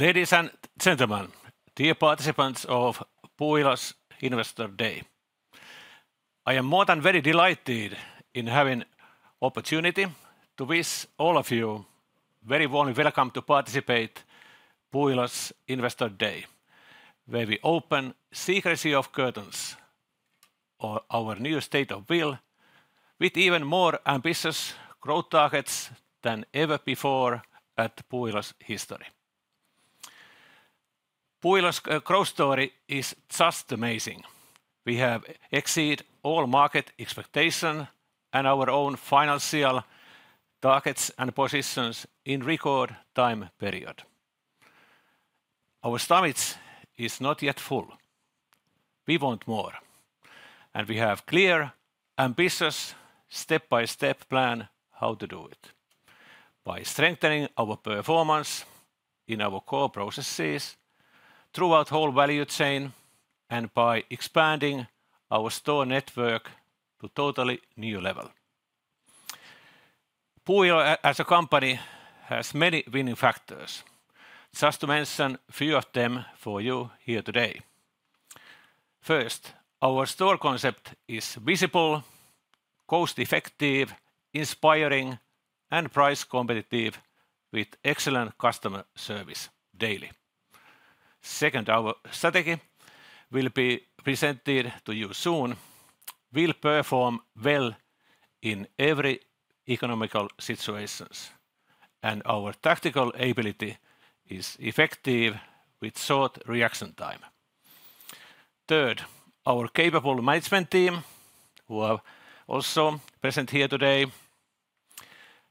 Ladies and gentlemen, dear participants of Puuilo's Investor Day. I am more than very delighted in having the opportunity to wish all of you a very warm welcome to participate in Puuilo's Investor Day, where we open the secrecy of curtains of our new state of will with even more ambitious growth targets than ever before in Puuilo's history. Puuilo's growth story is just amazing. We have exceeded all market expectations and our own financial targets and positions in a record time period. Our stomach is not yet full. We want more. We have a clear, ambitious step-by-step plan on how to do it. By strengthening our performance in our core processes throughout the whole value chain and by expanding our store network to a totally new level. Puuilo as a company has many winning factors, just to mention a few of them for you here today. First, our store concept is visible, cost-effective, inspiring, and price-competitive with excellent customer service daily. Second, our strategy will be presented to you soon. We will perform well in every economic situation. Our tactical ability is effective with short reaction time. Third, our capable management team, who are also present here today,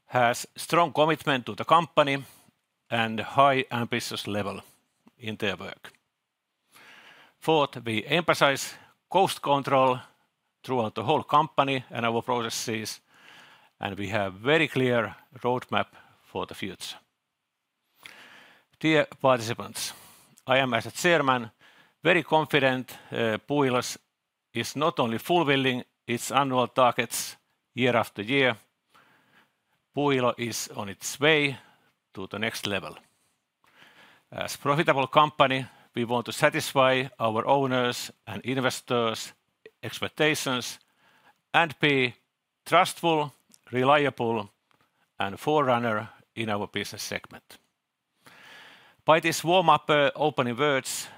has a strong commitment to the company and a high ambitious level in their work. Fourth, we emphasize cost control throughout the whole company and our processes. We have a very clear roadmap for the future. Dear participants, I am, as a Chairman, very confident Puuilo is not only fulfilling its annual targets year-after-year. Puuilo is on its way to the next level. As a profitable company, we want to satisfy our owners' and investors' expectations and be trustful, reliable, and a forerunner in our business segment. By these warm-up opening words,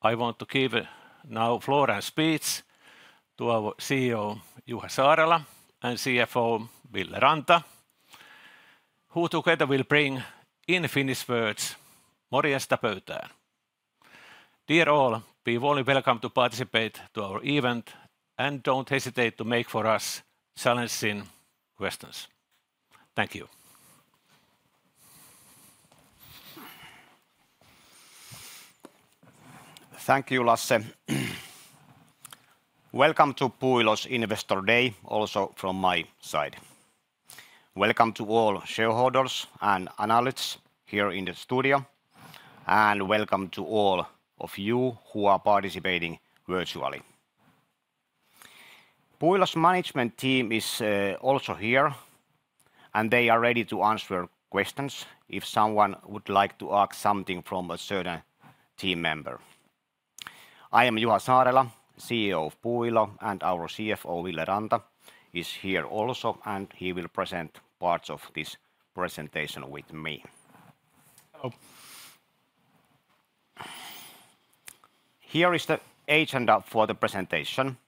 I want to give now the floor and speech to our CEO Juha Saarela and CFO Ville Ranta, who together will bring, in Finnish words, "Morjesta pöytään." Dear all, be warmly welcome to participate in our event and don't hesitate to make challenging questions. Thank you. Thank you, Lasse. Welcome to Puuilo's Investor Day also from my side. Welcome to all shareholders and analysts here in the studio. Welcome to all of you who are participating virtually. Puuilo's management team is also here. They are ready to answer questions if someone would like to ask something from a certain team member. I am Juha Saarela, CEO of Puuilo, and our CFO Ville Ranta is here also, and he will present parts of this presentation with me. Hello. Here is the agenda for the presentation.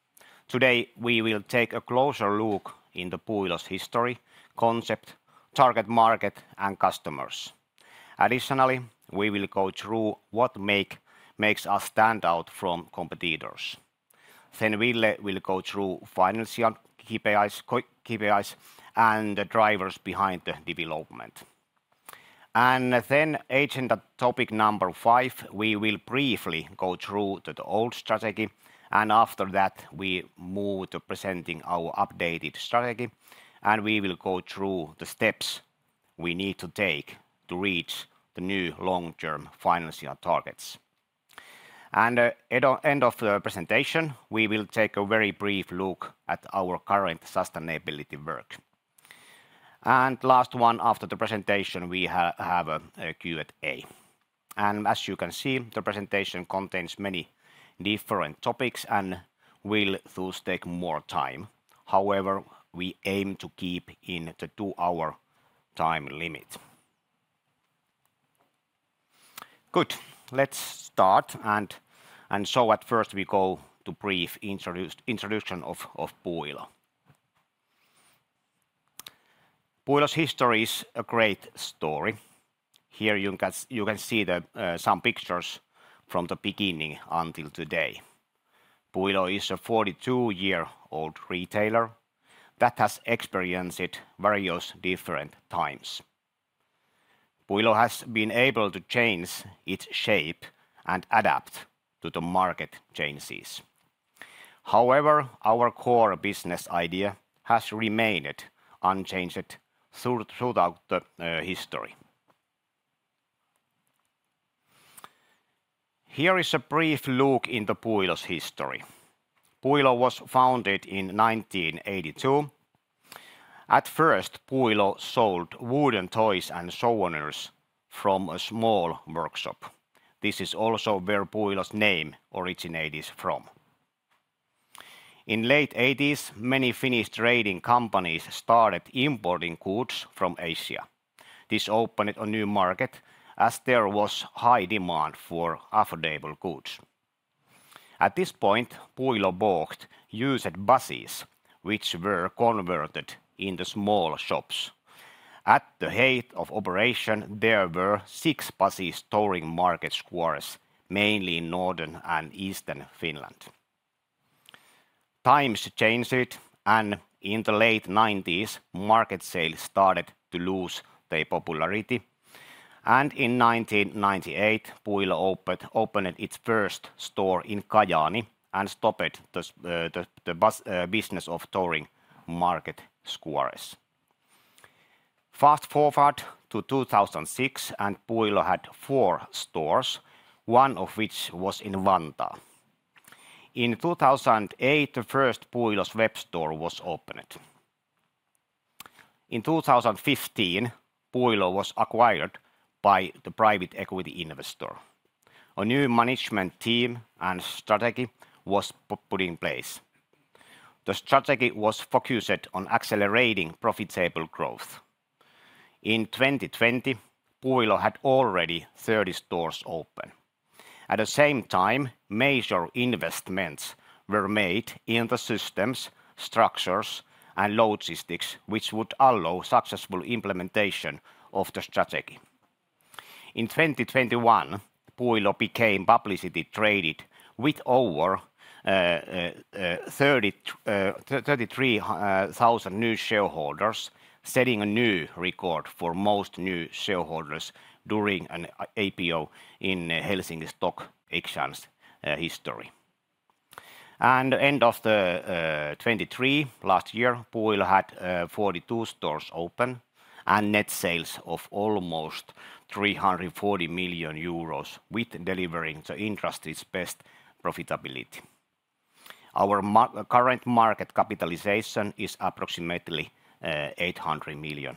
Today we will take a closer look into Puuilo's history, concept, target market, and customers. Additionally, we will go through what makes us stand out from competitors. Then Ville will go through financial KPIs and the drivers behind the development. And then agenda topic number five, we will briefly go through the old strategy, and after that we move to presenting our updated strategy. And we will go through the steps we need to take to reach the new long-term financial targets. And at the end of the presentation, we will take a very brief look at our current sustainability work. And last one, after the presentation, we have a Q&A. And as you can see, the presentation contains many different topics and will thus take more time. However, we aim to keep it within the two-hour time limit. Good. Let's start. At first we go to a brief introduction of Puuilo. Puuilo's history is a great story. Here you can see some pictures from the beginning until today. Puuilo is a 42-year-old retailer that has experienced various different times. Puuilo has been able to change its shape and adapt to the market changes. However, our core business idea has remained unchanged throughout the history. Here is a brief look into Puuilo's history. Puuilo was founded in 1982. At first, Puuilo sold wooden toys and sewing from a small workshop. This is also where Puuilo's name originated from. In the late 1980s, many Finnish trading companies started importing goods from Asia. This opened a new market as there was high demand for affordable goods. At this point, Puuilo bought used buses, which were converted into small shops. At the height of operation, there were six buses ouring market squares, mainly in northern and eastern Finland. Times changed, and in the late 1990s, market sales started to lose their popularity. In 1998, Puuilo opened its first store in Kajaani and stopped the business of ouring market squares. Fast forward to 2006, and Puuilo had four stores, one of which was in Vantaa. In 2008, the first Puuilo's web store was opened. In 2015, Puuilo was acquired by the private equity investor. A new management team and strategy were put in place. The strategy was focused on accelerating profitable growth. In 2020, Puuilo had already 30 stores open. At the same time, major investments were made in the systems, structures, and logistics, which would allow successful implementation of the strategy. In 2021, Puuilo became publicly traded with over 33,000 new shareholders, setting a new record for most new shareholders during an IPO in Helsinki Stock Exchange's history. At the end of 2023, last year, Puuilo had 42 stores open and net sales of almost 340 million euros with delivering the interesting best profitability. Our current market capitalization is approximately EUR 800 million.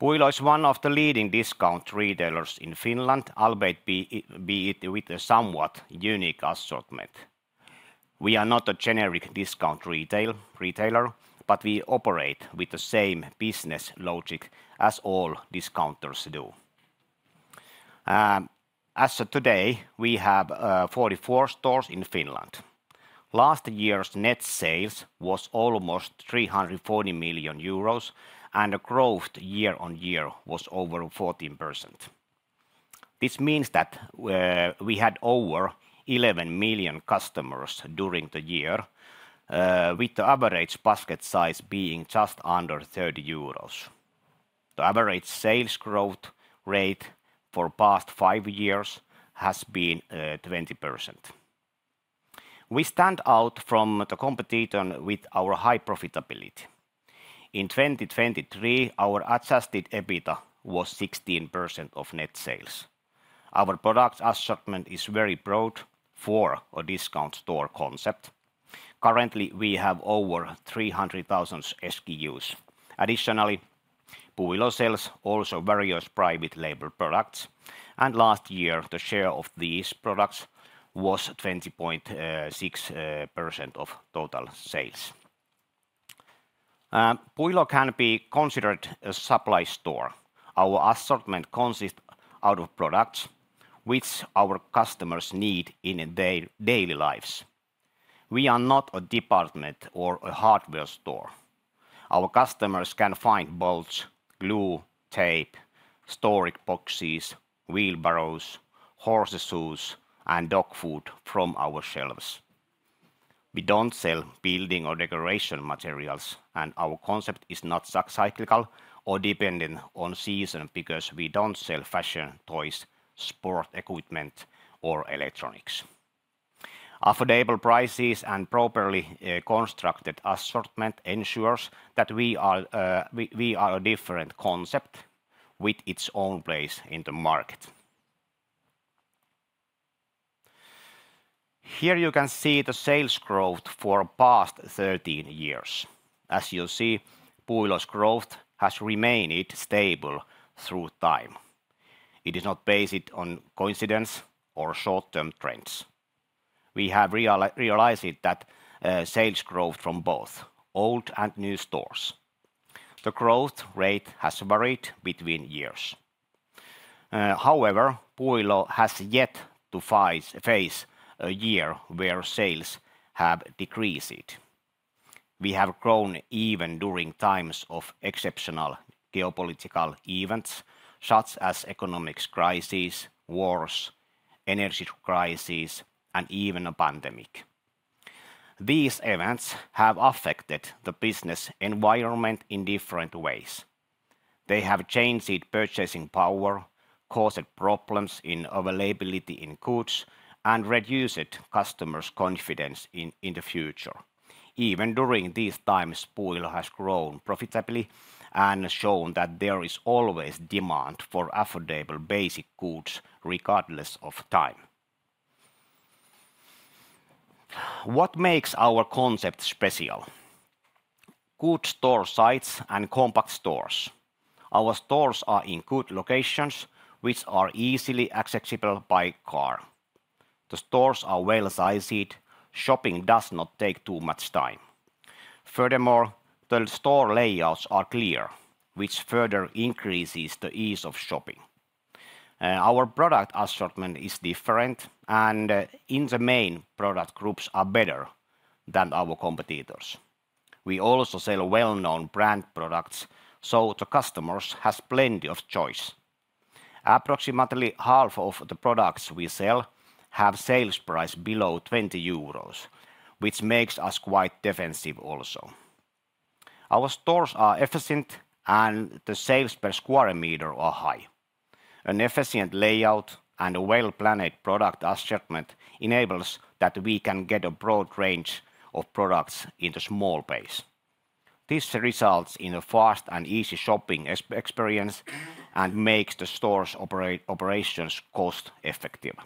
Puuilo is one of the leading discount retailers in Finland, albeit with a somewhat unique assortment. We are not a generic discount retailer, but we operate with the same business logic as all discounters do. As of today, we have 44 stores in Finland. Last year's net sales were almost 340 million euros, and the growth year-on-year was over 14%. This means that we had over 11 million customers during the year, with the average basket size being just under 30 euros. The average sales growth rate for the past five years has been 20%. We stand out from the competition with our high profitability. In 2023, our Adjusted EBITDA was 16% of net sales. Our product assortment is very broad for a discount store concept. Currently, we have over 300,000 SKUs. Additionally, Puuilo sells also various private label products. Last year, the share of these products was 20.6% of total sales. Puuilo can be considered a supply store. Our assortment consists of products which our customers need in their daily lives. We are not a department or a hardware store. Our customers can find bolts, glue, tape, storage boxes, wheelbarrows, horse shoes, and dog food from our shelves. We don't sell building or decoration materials, and our concept is not cyclical or dependent on season because we don't sell fashion toys, sport equipment, or electronics. Affordable prices and properly constructed assortment ensure that we are a different concept with its own place in the market. Here you can see the sales growth for the past 13 years. As you see, Puuilo's growth has remained stable through time. It is not based on coincidence or short-term trends. We have realized that sales growth from both old and new stores. The growth rate has varied between years. However, Puuilo has yet to face a year where sales have decreased. We have grown even during times of exceptional geopolitical events such as economic crises, wars, energy crises, and even a pandemic. These events have affected the business environment in different ways. They have changed purchasing power, caused problems in availability of goods, and reduced customers' confidence in the future. Even during these times, Puuilo has grown profitably and shown that there is always demand for affordable basic goods regardless of time. What makes our concept special? Good store sites and compact stores. Our stores are in good locations, which are easily accessible by car. The stores are well-sized. Shopping does not take too much time. Furthermore, the store layouts are clear, which further increases the ease of shopping. Our product assortment is different, and the main product groups are better than our competitors. We also sell well-known brand products, so the customers have plenty of choice. Approximately half of the products we sell have sales prices below 20 euros, which makes us quite defensive also. Our stores are efficient, and the sales per m² are high. An efficient layout and a well-planned product assortment enable us to get a broad range of products in a small space. This results in a fast and easy shopping experience and makes the store's operations cost-effective.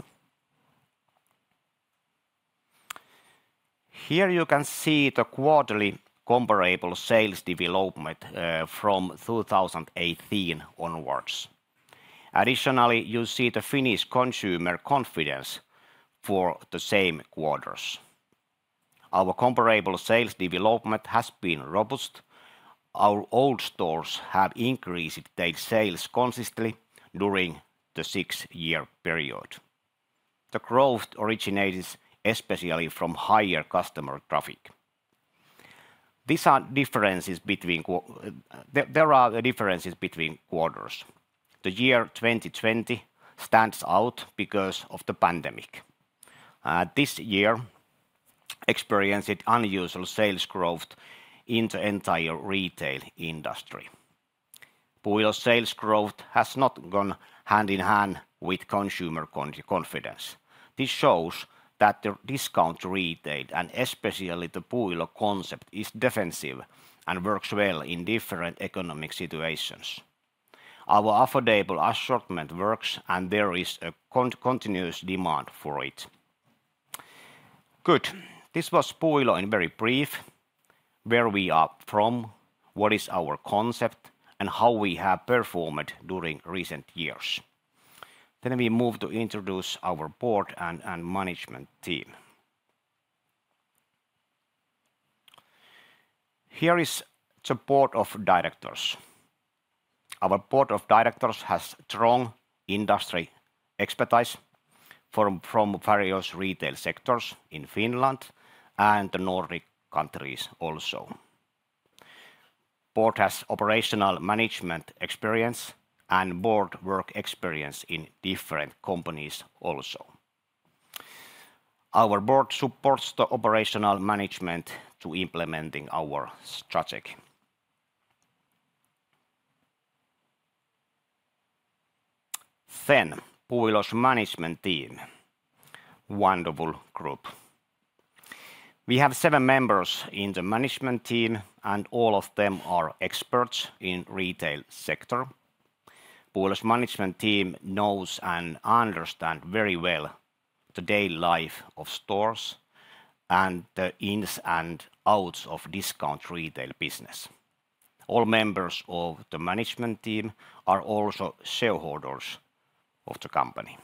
Here you can see the quarterly comparable sales development from 2018 onwards. Additionally, you see the Finnish consumer confidence for the same quarters. Our comparable sales development has been robust. Our old stores have increased their sales consistently during the six-year period. The growth originates especially from higher customer traffic. There are differences between quarters. The year 2020 stands out because of the pandemic. This year experienced unusual sales growth in the entire retail industry. Puuilo's sales growth has not gone hand in hand with consumer confidence. This shows that the discount retail, and especially the Puuilo concept, is defensive and works well in different economic situations. Our affordable assortment works, and there is a continuous demand for it. Good. This was Puuilo in very brief. Where we are from, what is our concept, and how we have performed during recent years. Then we move to introduce our board and management team. Here is the board of directors. Our board of directors has strong industry expertise from various retail sectors in Finland and the Nordic countries also. The board has operational management experience and board work experience in different companies also. Our board supports the operational management to implement our strategy. Then Puuilo's management team. Wonderful group. We have seven members in the management team, and all of them are experts in the retail sector. Puuilo's management team knows and understands very well the daily life of stores and the ins and outs of the discount retail business. All members of the management team are also shareholders of the company.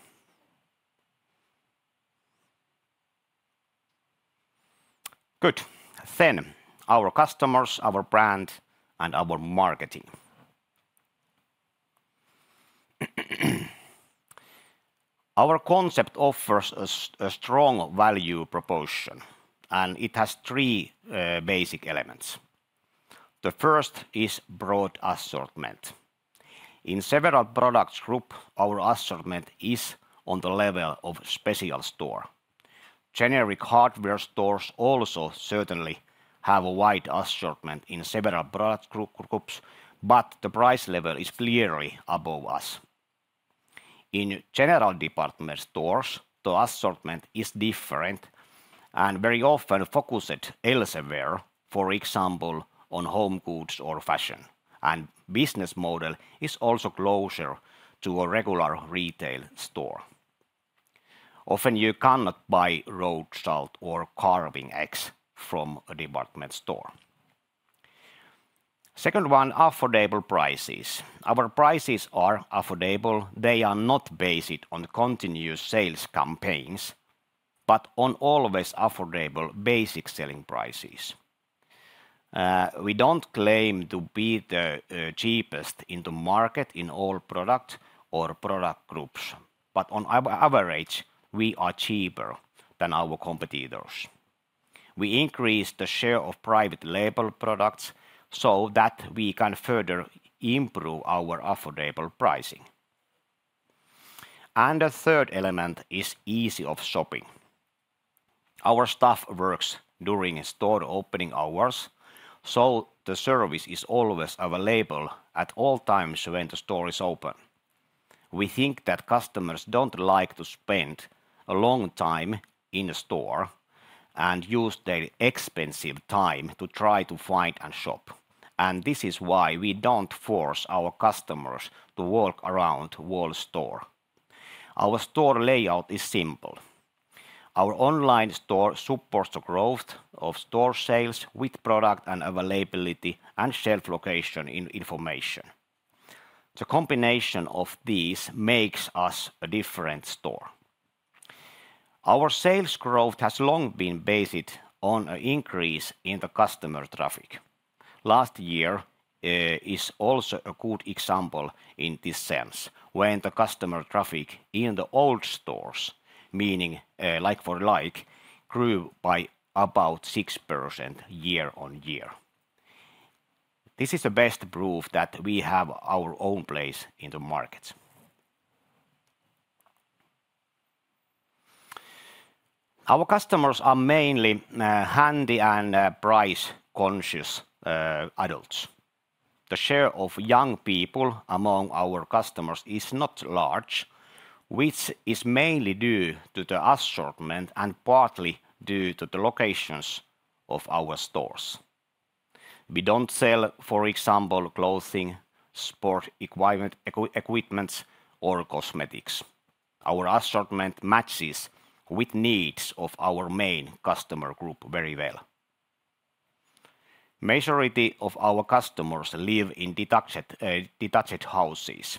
Good. Then our customers, our brand, and our marketing. Our concept offers a strong value proposition, and it has three basic elements. The first is broad assortment. In several product groups, our assortment is on the level of a special store. Generic hardware stores also certainly have a wide assortment in several product groups, but the price level is clearly above us. In general department stores, the assortment is different and very often focused elsewhere, for example, on home goods or fashion. The business model is also closer to a regular retail store. Often, you cannot buy road salt or uncertain from a department store. The second one is affordable prices. Our prices are affordable. They are not based on continuous sales campaigns, but on always affordable basic selling prices. We don't claim to be the cheapest in the market in all products or product groups, but on average, we are cheaper than our competitors. We increase the share of private label products so that we can further improve our affordable pricing. The third element is easy shopping. Our staff works during store opening hours, so the service is always available at all times when the store is open. We think that customers don't like to spend a long time in the store and use their expensive time to try to find and shop. This is why we don't force our customers to walk around the whole store. Our store layout is simple. Our online store supports the growth of store sales with product availability and shelf location information. The combination of these makes us a different store. Our sales growth has long been based on an increase in customer traffic. Last year is also a good example in this sense, when the customer traffic in the old stores, meaning like for like, grew by about 6% year-on-year. This is the best proof that we have our own place in the market. Our customers are mainly handy and price-conscious adults. The share of young people among our customers is not large, which is mainly due to the assortment and partly due to the locations of our stores. We don't sell, for example, clothing, sport equipment, or cosmetics. Our assortment matches with the needs of our main customer group very well. The majority of our customers live in detached houses.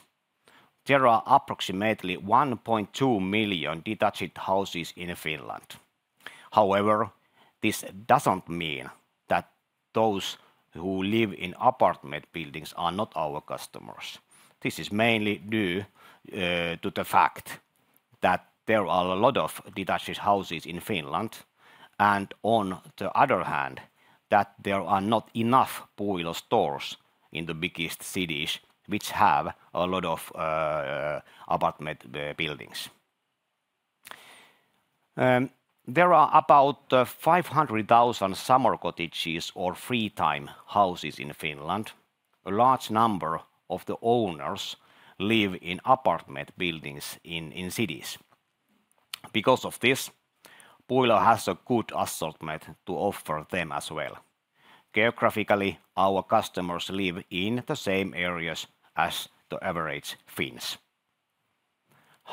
There are approximately 1.2 million detached houses in Finland. However, this doesn't mean that those who live in apartment buildings are not our customers. This is mainly due to the fact that there are a lot of detached houses in Finland, and on the other hand, that there are not enough Puuilo stores in the biggest cities, which have a lot of apartment buildings. There are about 500,000 summer cottages or free-time houses in Finland. A large number of the owners live in apartment buildings in cities. Because of this, Puuilo has a good assortment to offer them as well. Geographically, our customers live in the same areas as the average Finns.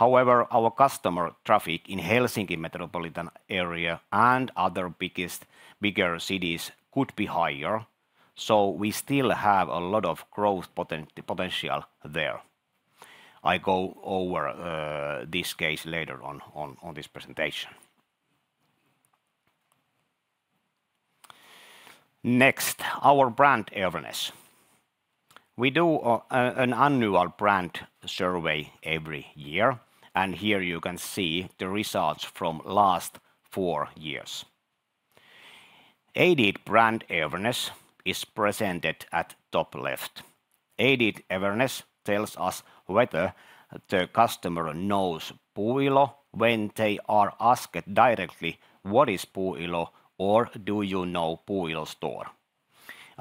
However, our customer traffic in the Helsinki metropolitan area and other bigger cities could be higher, so we still have a lot of growth potential there. I go over this case later on this presentation. Next, our brand awareness. We do an annual brand survey every year, and here you can see the results from the last four years. Aided brand awareness is presented at the top left. Aided awareness tells us whether the customer knows Puuilo when they are asked directly, "What is Puuilo, or do you know Puuilo's store?"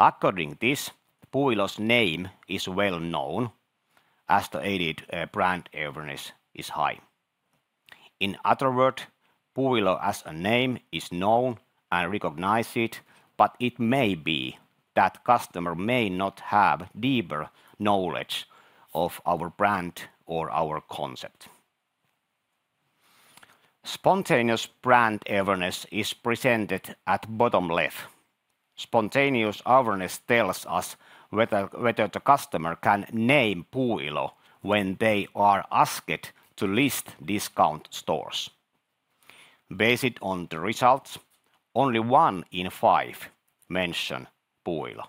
According to this, Puuilo's name is well known as the aided brand awareness is high. In other words, Puuilo, as a name, is known and recognized, but it may be that the customer may not have deeper knowledge of our brand or our concept. Spontaneous brand awareness is presented at the bottom left. Spontaneous awareness tells us whether the customer can name Puuilo when they are asked to list discount stores. Based on the results, only one in five mentions Puuilo.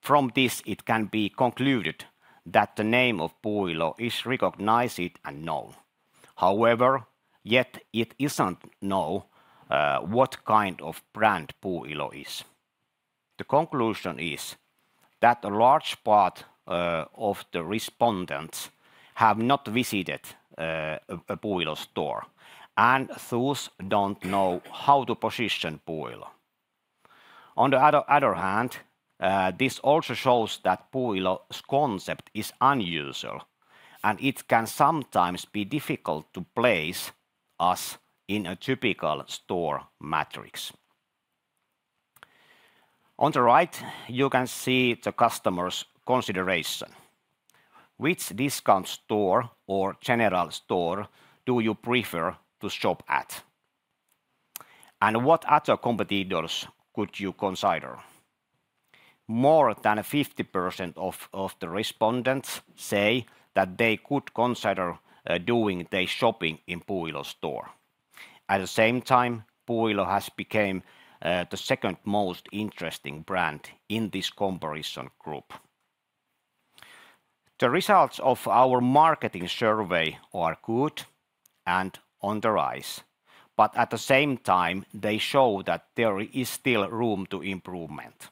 From this, it can be concluded that the name of Puuilo is recognized and known. However, yet it isn't known what kind of brand Puuilo is. The conclusion is that a large part of the respondents have not visited a Puuilo store, and those don't know how to position Puuilo. On the other hand, this also shows that Puuilo's concept is unusual, and it can sometimes be difficult to place us in a typical store matrix. On the right, you can see the customer's consideration. Which discount store or general store do you prefer to shop at? And what other competitors could you consider? More than 50% of the respondents say that they could consider doing their shopping in Puuilo's store. At the same time, Puuilo has become the second most interesting brand in this comparison group. The results of our marketing survey are good and on the rise, but at the same time, they show that there is still room for improvement.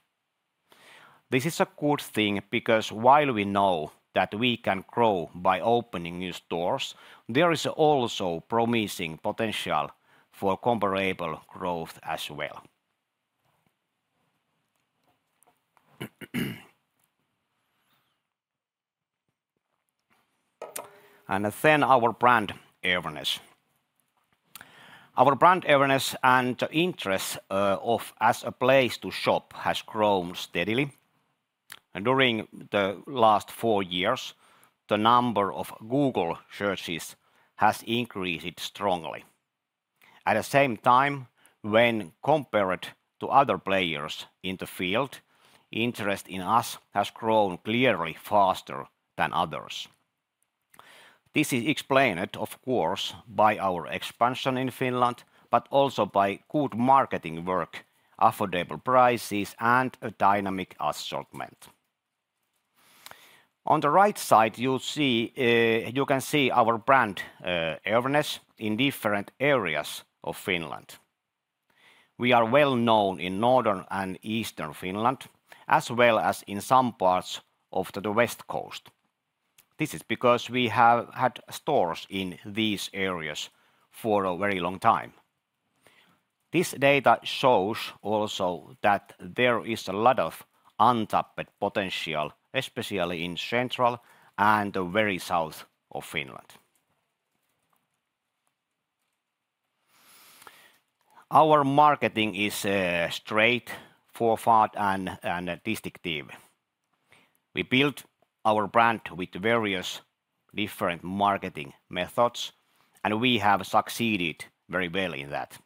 This is a good thing because while we know that we can grow by opening new stores, there is also promising potential for comparable growth as well. And then our brand awareness. Our brand awareness and the interest as a place to shop has grown steadily. During the last four years, the number of Google searches has increased strongly. At the same time, when compared to other players in the field, interest in us has grown clearly faster than others. This is explained, of course, by our expansion in Finland, but also by good marketing work, affordable prices, and a dynamic assortment. On the right side, you can see our brand awareness in different areas of Finland. We are well known in northern and eastern Finland, as well as in some parts of the west coast. This is because we have had stores in these areas for a very long time. This data shows also that there is a lot of untapped potential, especially in central and the very south of Finland. Our marketing is straightforward and distinctive. We build our brand with various different marketing methods, and we have succeeded very well in that.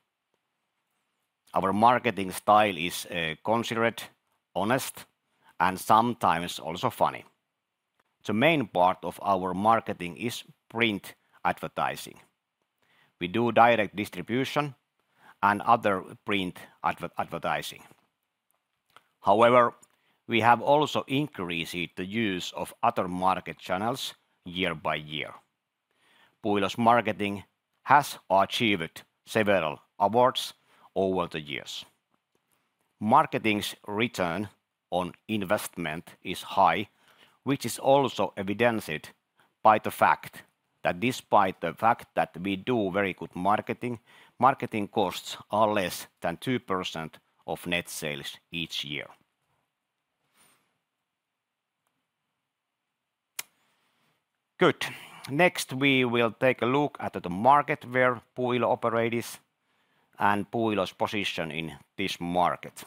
Our marketing style is considerate, honest, and sometimes also funny. The main part of our marketing is print advertising. We do direct distribution and other print advertising. However, we have also increased the use of other market channels year-by-year. Puuilo's marketing has achieved several awards over the years. Marketing's return on investment is high, which is also evidenced by the fact that despite the fact that we do very good marketing, marketing costs are less than 2% of net sales each year. Good. Next, we will take a look at the market where Puuilo operates and Puuilo's position in this market.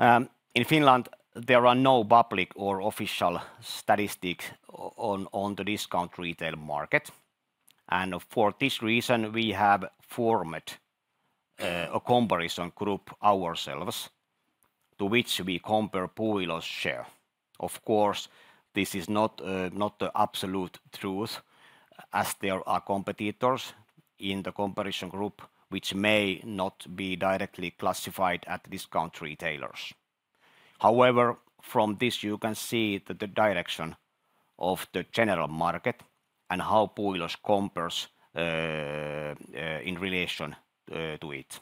In Finland, there are no public or official statistics on the discount retail market, and for this reason, we have formed a comparison group ourselves to which we compare Puuilo's share. Of course, this is not the absolute truth, as there are competitors in the comparison group which may not be directly classified as discount retailers. However, from this, you can see the direction of the general market and how Puuilo compares in relation to it.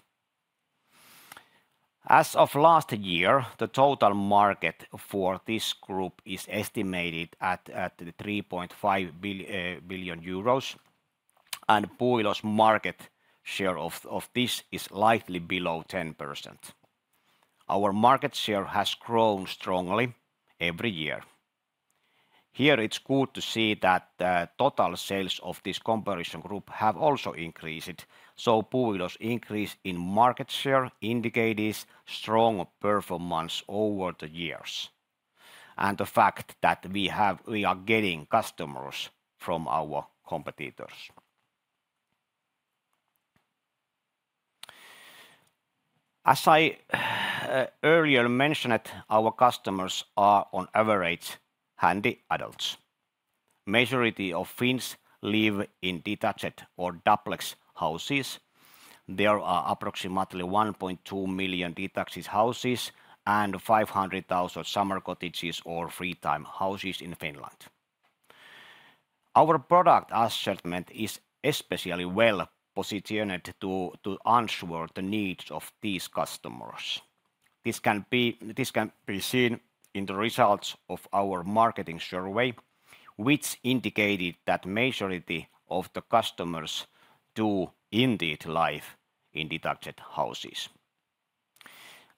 As of last year, the total market for this group is estimated at 3.5 billion euros, and Puuilo's market share of this is slightly below 10%. Our market share has grown strongly every year. Here, it's good to see that the total sales of this comparison group have also increased, so Puuilo's increase in market share indicates strong performance over the years and the fact that we are getting customers from our competitors. As I earlier mentioned, our customers are on average handy adults. The majority of Finns live in detached or duplex houses. There are approximately 1.2 million detached houses and 500,000 summer cottages or free-time houses in Finland. Our product assortment is especially well positioned to answer the needs of these customers. This can be seen in the results of our marketing survey, which indicated that the majority of the customers do indeed live in detached houses.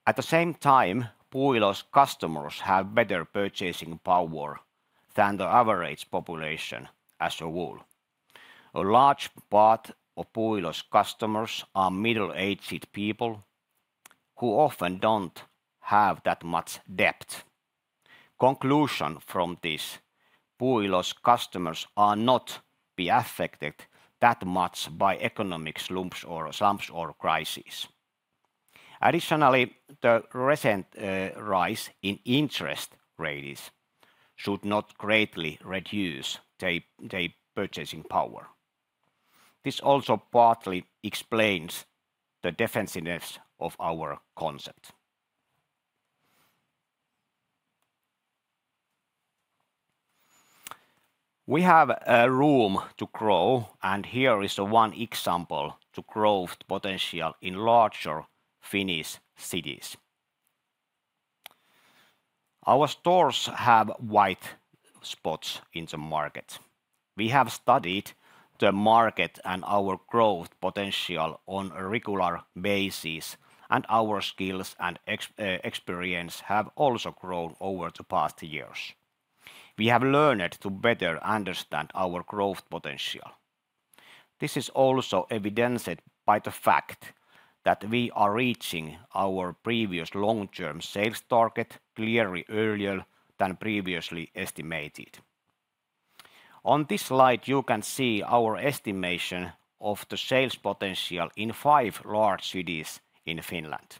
At the same time, Puuilo's customers have better purchasing power than the average population as a whole. A large part of Puuilo's customers are middle-aged people who often don't have that much debt. The conclusion from this is that Puuilo's customers are not affected that much by economic slumps, or slumps, or crises. Additionally, the recent rise in interest rates should not greatly reduce their purchasing power. This also partly explains the defensiveness of our concept. We have room to grow, and here is one example of growth potential in larger Finnish cities. Our stores have white spots in the market. We have studied the market and our growth potential on a regular basis, and our skills and experience have also grown over the past years. We have learned to better understand our growth potential. This is also evidenced by the fact that we are reaching our previous long-term sales target clearly earlier than previously estimated. On this slide, you can see our estimation of the sales potential in five large cities in Finland.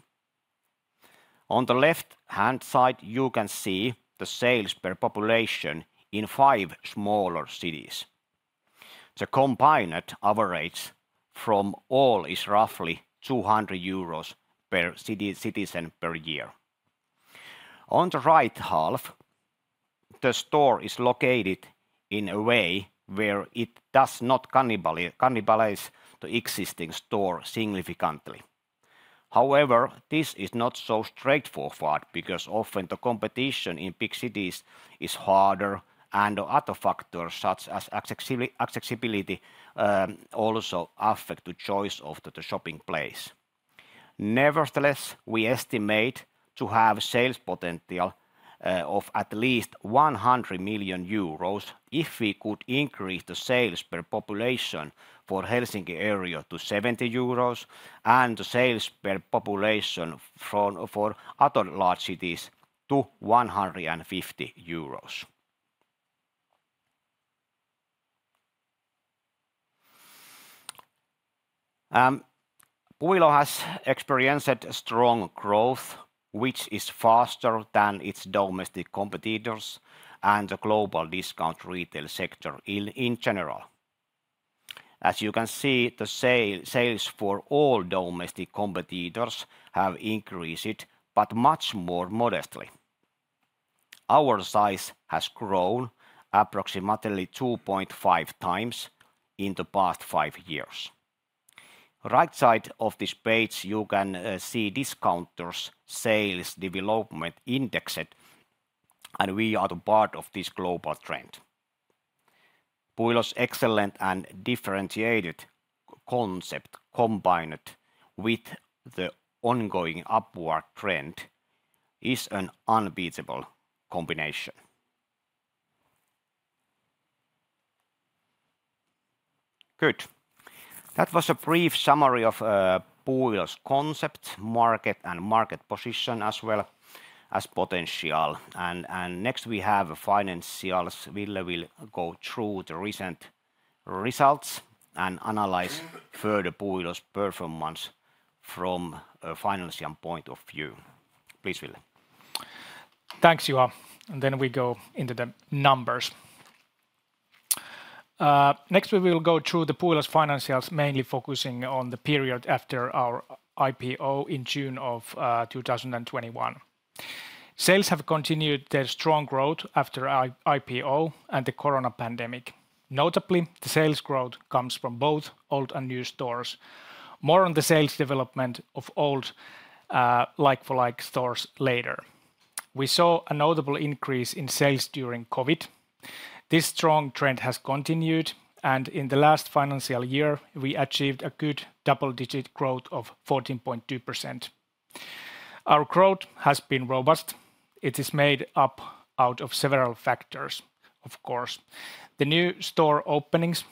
On the left-hand side, you can see the sales per population in five smaller cities. The combined average from all is roughly 200 euros per citizen per year. On the right half, the store is located in a way where it does not cannibalize the existing store significantly. However, this is not so straightforward because often the competition in big cities is harder, and other factors such as accessibility also affect the choice of the shopping place. Nevertheless, we estimate to have a sales potential of at least 100 million euros if we could increase the sales per population for the Helsinki area to 70 euros and the sales per population for other large cities to 150 euros. Puuilo has experienced strong growth, which is faster than its domestic competitors and the global discount retail sector in general. As you can see, the sales for all domestic competitors have increased, but much more modestly. Our size has grown approximately 2.5 times in the past five years. On the right side of this page, you can see discounters' sales development indexed, and we are part of this global trend. Puuilo's excellent and differentiated concept, combined with the ongoing upward trend, is an unbeatable combination. Good. That was a brief summary of Puuilo's concept, market, and market position as well as potential. Next, we have a financier. Ville will go through the recent results and analyze further Puuilo's performance from a financial point of view. Please, Ville. Thanks, Juha, and then we go into the numbers. Next, we will go through Puuilo's financials, mainly focusing on the period after our IPO in June of 2021. Sales have continued their strong growth after IPO and the corona pandemic. Notably, the sales growth comes from both old and new stores. More on the sales development of old like-for-like stores later. We saw a notable increase in sales during COVID. This strong trend has continued, and in the last financial year, we achieved a good double-digit growth of 14.2%. Our growth has been robust. It is made up out of several factors, of course: the new store openings,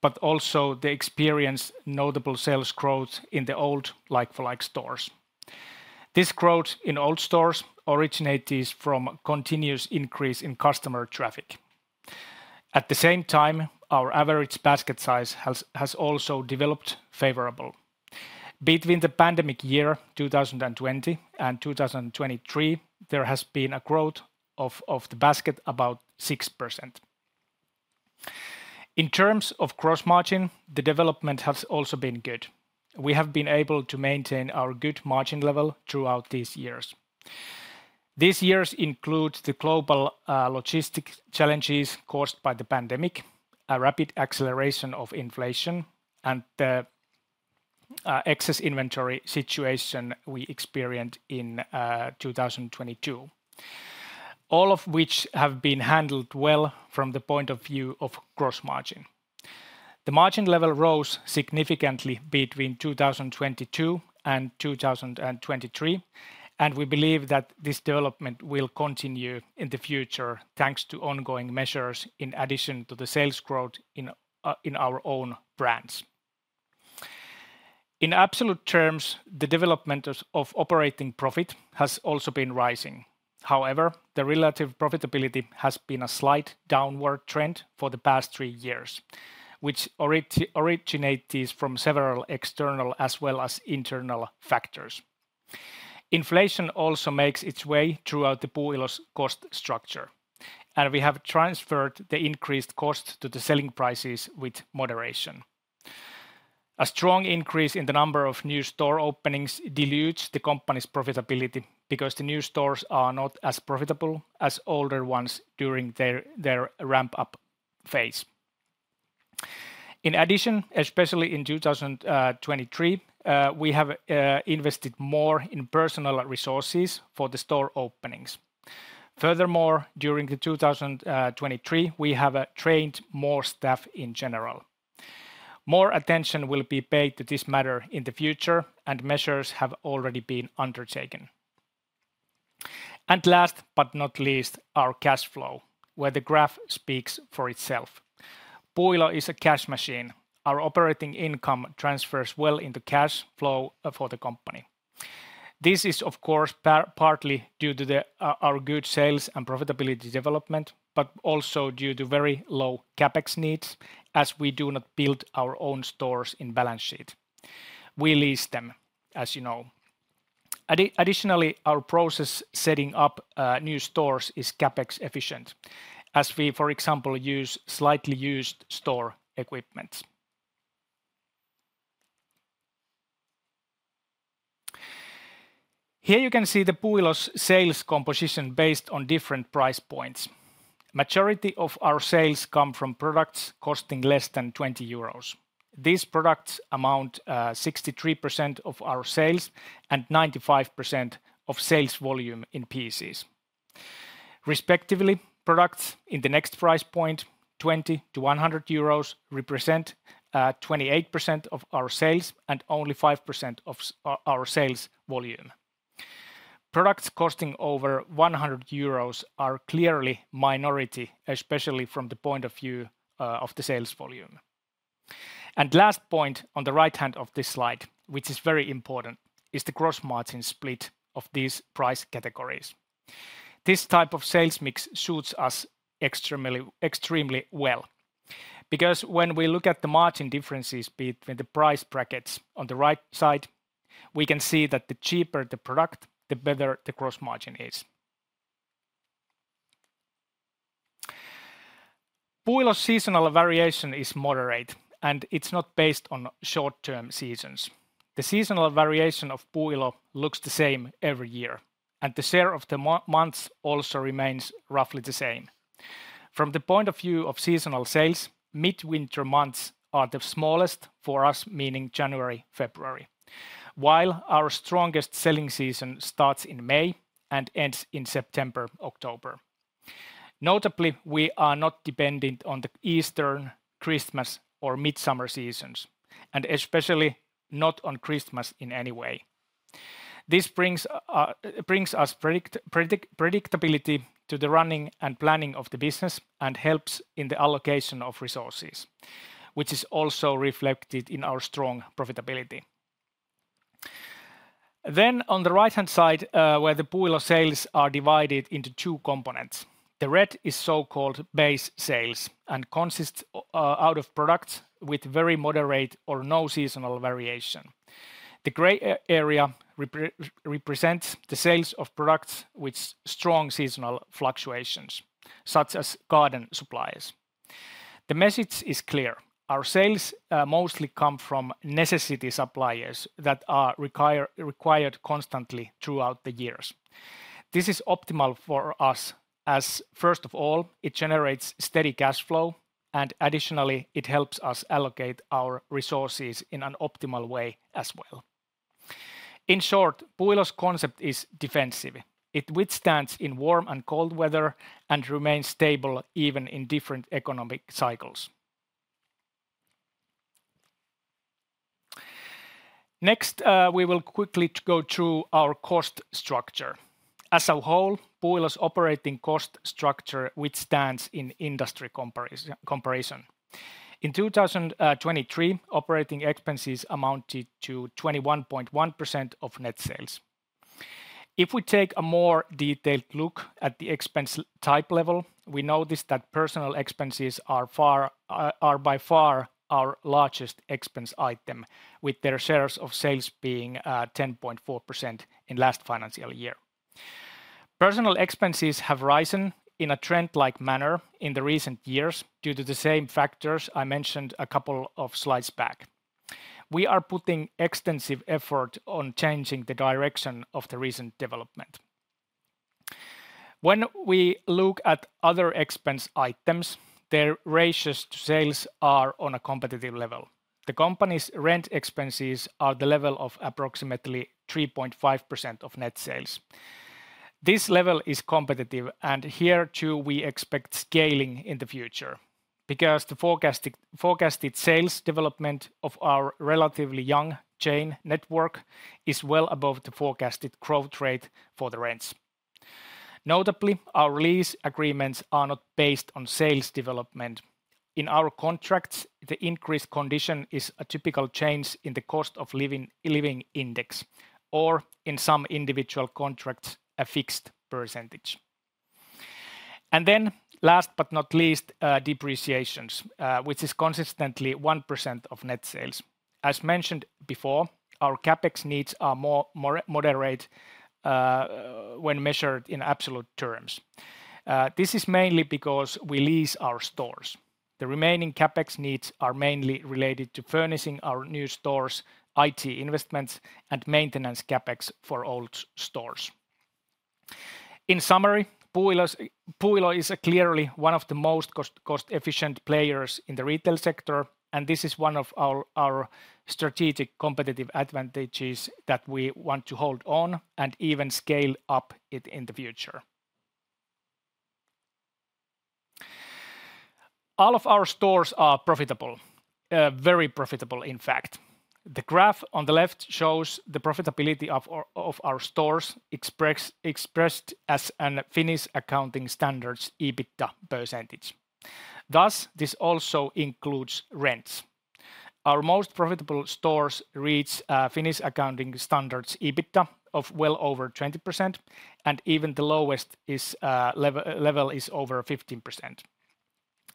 but also the experienced notable sales growth in the old like-for-like stores. This growth in old stores originates from a continuous increase in customer traffic. At the same time, our average basket size has also developed favorably. Between the pandemic year 2020 and 2023, there has been a growth of the basket of about 6%. In terms of gross margin, the development has also been good. We have been able to maintain our good margin level throughout these years. These years include the global logistics challenges caused by the pandemic, a rapid acceleration of inflation, and the excess inventory situation we experienced in 2022, all of which have been handled well from the point of view of gross margin. The margin level rose significantly between 2022 and 2023, and we believe that this development will continue in the future thanks to ongoing measures in addition to the sales growth in our own brands. In absolute terms, the development of operating profit has also been rising. However, the relative profitability has been a slight downward trend for the past three years, which originates from several external as well as internal factors. Inflation also makes its way throughout Puuilo's cost structure, and we have transferred the increased cost to the selling prices with moderation. A strong increase in the number of new store openings dilutes the company's profitability because the new stores are not as profitable as older ones during their ramp-up phase. In addition, especially in 2023, we have invested more in personal resources for the store openings. Furthermore, during 2023, we have trained more staff in general. More attention will be paid to this matter in the future, and measures have already been undertaken. And last but not least, our cash flow, where the graph speaks for itself. Puuilo is a cash machine. Our operating income transfers well into cash flow for the company. This is, of course, partly due to our good sales and profitability development, but also due to very low CapEx needs, as we do not build our own stores in the balance sheet. We lease them, as you know. Additionally, our process setting up new stores is CapEx efficient, as we, for example, use slightly used store equipment. Here you can see the Puuilo's sales composition based on different price points. The majority of our sales come from products costing less than 20 euros. These products amount to 63% of our sales and 95% of sales volume in pieces. Respectively, products in the next price point, 20-100 euros, represent 28% of our sales and only 5% of sales volume. Products costing over 100 euros are clearly a minority, especially from the point of view of the sales volume. The last point on the right hand of this slide, which is very important, is the gross margin split of these price categories. This type of sales mix suits us extremely well because when we look at the margin differences between the price brackets on the right side, we can see that the cheaper the product, the better the gross margin is. Puuilo's seasonal variation is moderate, and it's not based on short-term seasons. The seasonal variation of Puuilo looks the same every year, and the share of the months also remains roughly the same. From the point of view of seasonal sales, midwinter months are the smallest for us, meaning January, February, while our strongest selling season starts in May and ends in September, October. Notably, we are not dependent on the Easter, Christmas, or Midsummer seasons, and especially not on Christmas in any way. This brings us predictability to the running and planning of the business and helps in the allocation of resources, which is also reflected in our strong profitability. Then, on the right-hand side, where the Puuilo sales are divided into two components, the red is so-called base sales and consists of products with very moderate or no seasonal variation. The gray area represents the sales of products with strong seasonal fluctuations, such as garden supplies. The message is clear: our sales mostly come from necessity supplies that are required constantly throughout the years. This is optimal for us, as first of all, it generates steady cash flow, and additionally, it helps us allocate our resources in an optimal way as well. In short, Puuilo's concept is defensive. It withstands warm and cold weather and remains stable even in different economic cycles. Next, we will quickly go through our cost structure. As a whole, Puuilo's operating cost structure withstands in industry comparison. In 2023, operating expenses amounted to 21.1% of net sales. If we take a more detailed look at the expense type level, we notice that personnel expenses are by far our largest expense item, with their shares of sales being 10.4% in the last financial year. Personnel expenses have risen in a trend-like manner in the recent years due to the same factors I mentioned a couple of slides back. We are putting extensive effort on changing the direction of the recent development. When we look at other expense items, their ratios to sales are on a competitive level. The company's rent expenses are at the level of approximately 3.5% of net sales. This level is competitive, and here too we expect scaling in the future because the forecasted sales development of our relatively young chain network is well above the forecasted growth rate for the rents. Notably, our lease agreements are not based on sales development. In our contracts, the increased condition is a typical change in the cost of living index or, in some individual contracts, a fixed percentage. Last but not least, depreciations, which is consistently 1% of net sales. As mentioned before, our CapEx needs are more moderate when measured in absolute terms. This is mainly because we lease our stores. The remaining CapEx needs are mainly related to furnishing our new stores, IT investments, and maintenance CapEx for old stores. In summary, Puuilo is clearly one of the most cost-efficient players in the retail sector, and this is one of our strategic competitive advantages that we want to hold on and even scale up in the future. All of our stores are profitable, very profitable, in fact. The graph on the left shows the profitability of our stores expressed as a Finnish accounting standard's EBITDA percentage. Thus, this also includes rents. Our most profitable stores reach Finnish Accounting Standards' EBITDA of well over 20%, and even the lowest level is over 15%.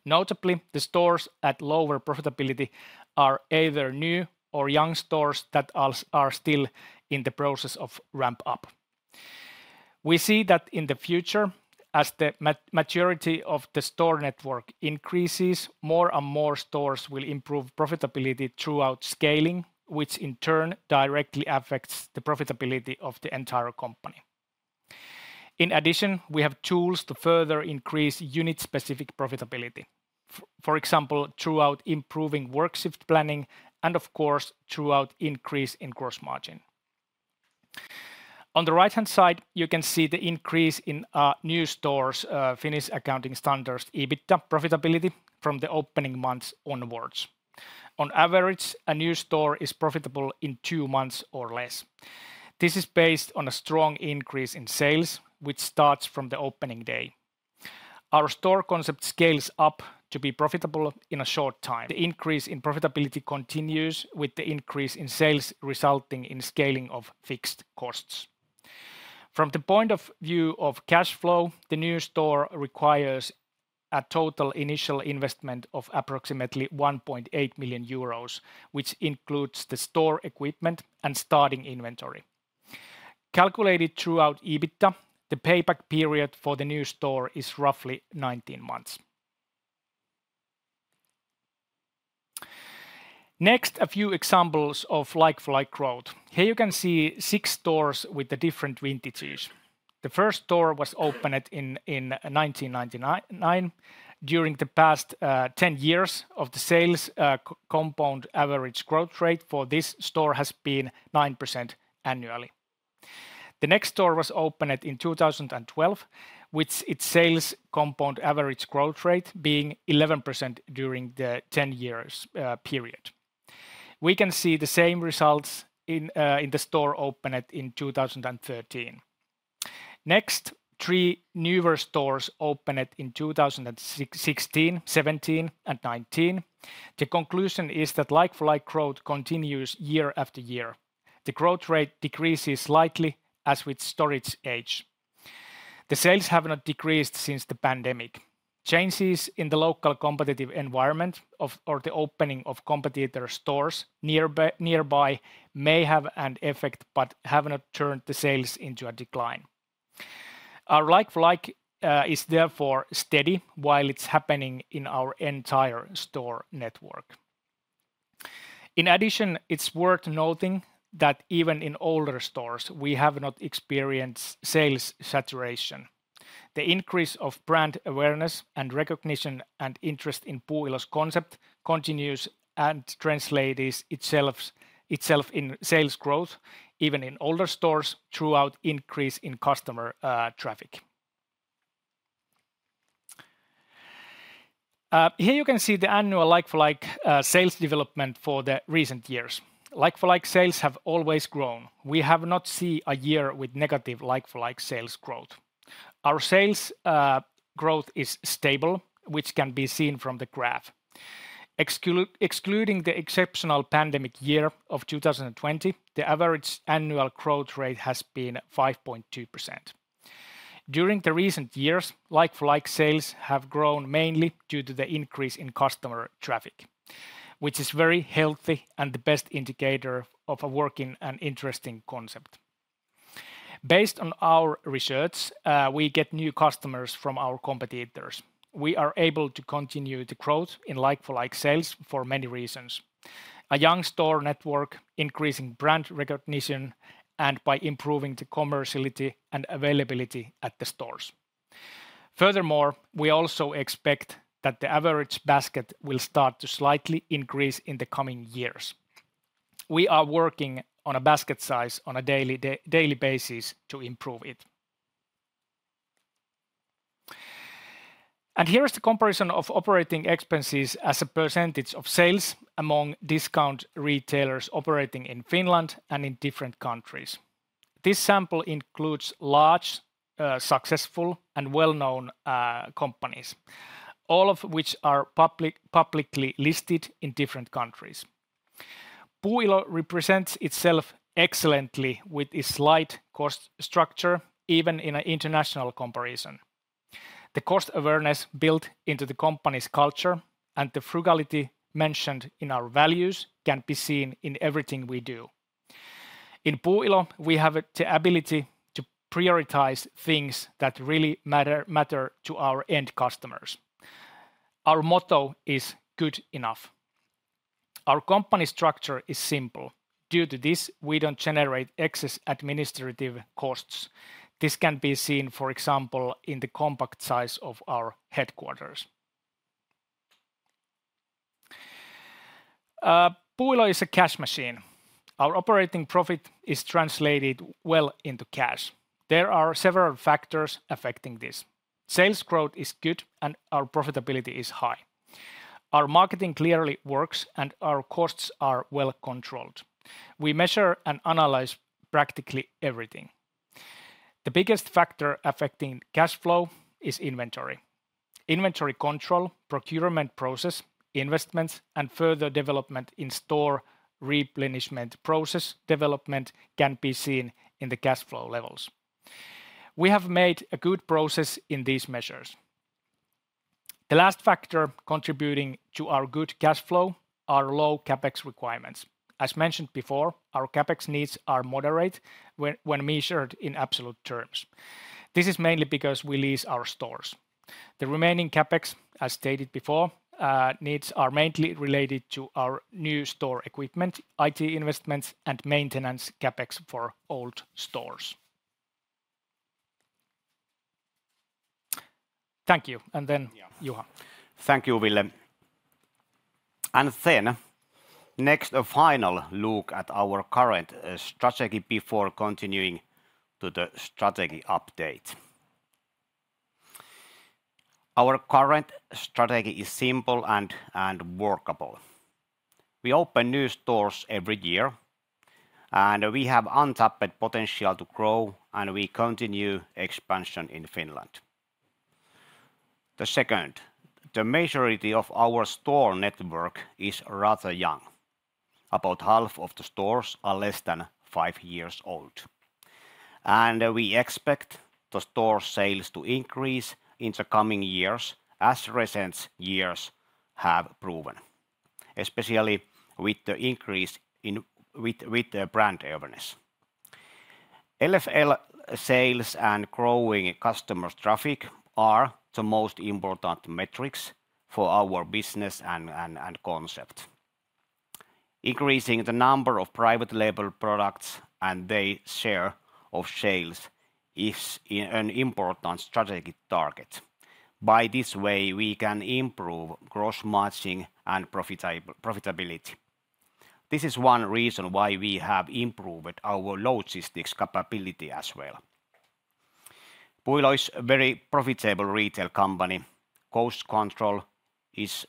Notably, the stores at lower profitability are either new or young stores that are still in the process of ramping up. We see that in the future, as the maturity of the store network increases, more and more stores will improve profitability throughout scaling, which in turn directly affects the profitability of the entire company. In addition, we have tools to further increase unit-specific profitability, for example, throughout improving work shift planning and, of course, throughout increasing gross margin. On the right-hand side, you can see the increase in new stores' Finnish Accounting Standards' EBITDA profitability from the opening months onwards. On average, a new store is profitable in two months or less. This is based on a strong increase in sales, which starts from the opening day. Our store concept scales up to be profitable in a short time. The increase in profitability continues with the increase in sales resulting in scaling of fixed costs. From the point of view of cash flow, the new store requires a total initial investment of approximately 1.8 million euros, which includes the store equipment and starting inventory. Calculated throughout EBITDA, the payback period for the new store is roughly 19 months. Next, a few examples of like-for-like growth. Here you can see six stores with different vintages. The first store was opened in 1999. During the past 10 years of the sales compound average growth rate for this store has been 9% annually. The next store was opened in 2012, with its sales compound average growth rate being 11% during the 10-year period. We can see the same results in the store opened in 2013. Next, three newer stores opened in 2016, 2017, and 2019. The conclusion is that like-for-like growth continues year-after-year. The growth rate decreases slightly as with store age. The sales have not decreased since the pandemic. Changes in the local competitive environment or the opening of competitor stores nearby may have an effect but have not turned the sales into a decline. Our like-for-like is therefore steady while it's happening in our entire store network. In addition, it's worth noting that even in older stores, we have not experienced sales saturation. The increase of brand awareness and recognition and interest in Puuilo's concept continues and translates itself in sales growth, even in older stores throughout increase in customer traffic. Here you can see the annual like-for-like sales development for the recent years. Like-for-like sales have always grown. We have not seen a year with negative like-for-like sales growth. Our sales growth is stable, which can be seen from the graph. Excluding the exceptional pandemic year of 2020, the average annual growth rate has been 5.2%. During the recent years, like-for-like sales have grown mainly due to the increase in customer traffic, which is very healthy and the best indicator of a working and interesting concept. Based on our research, we get new customers from our competitors. We are able to continue the growth in like-for-like sales for many reasons: a young store network, increasing brand recognition, and by improving the commerciality and availability at the stores. Furthermore, we also expect that the average basket will start to slightly increase in the coming years. We are working on a basket size on a daily basis to improve it. Here is the comparison of operating expenses as a percentage of sales among discount retailers operating in Finland and in different countries. This sample includes large, successful, and well-known companies, all of which are publicly listed in different countries. Puuilo represents itself excellently with its light cost structure, even in an international comparison. The cost awareness built into the company's culture and the frugality mentioned in our values can be seen in everything we do. In Puuilo, we have the ability to prioritize things that really matter to our end customers. Our motto is "Good enough." Our company structure is simple. Due to this, we don't generate excess administrative costs. This can be seen, for example, in the compact size of our headquarters. Puuilo is a cash machine. Our operating profit is translated well into cash. There are several factors affecting this. Sales growth is good, and our profitability is high. Our marketing clearly works, and our costs are well controlled. We measure and analyze practically everything. The biggest factor affecting cash flow is inventory. Inventory control, procurement process, investments, and further development in store replenishment process development can be seen in the cash flow levels. We have made a good process in these measures. The last factor contributing to our good cash flow are low CapEx requirements. As mentioned before, our CapEx needs are moderate when measured in absolute terms. This is mainly because we lease our stores. The remaining CapEx, as stated before, needs are mainly related to our new store equipment, IT investments, and maintenance CapEx for old stores. Thank you. And then, Juha? Thank you, Ville. And then, next, a final look at our current strategy before continuing to the strategy update. Our current strategy is simple and workable. We open new stores every year, and we have untapped potential to grow, and we continue expansion in Finland. The second, the majority of our store network is rather young. About half of the stores are less than five years old. We expect the store sales to increase in the coming years as recent years have proven, especially with the increase in brand awareness. LFL sales and growing customer traffic are the most important metrics for our business and concept. Increasing the number of private label products and their share of sales is an important strategic target. By this way, we can improve gross margins and profitability. This is one reason why we have improved our logistics capability as well. Puuilo is a very profitable retail company. Cost control is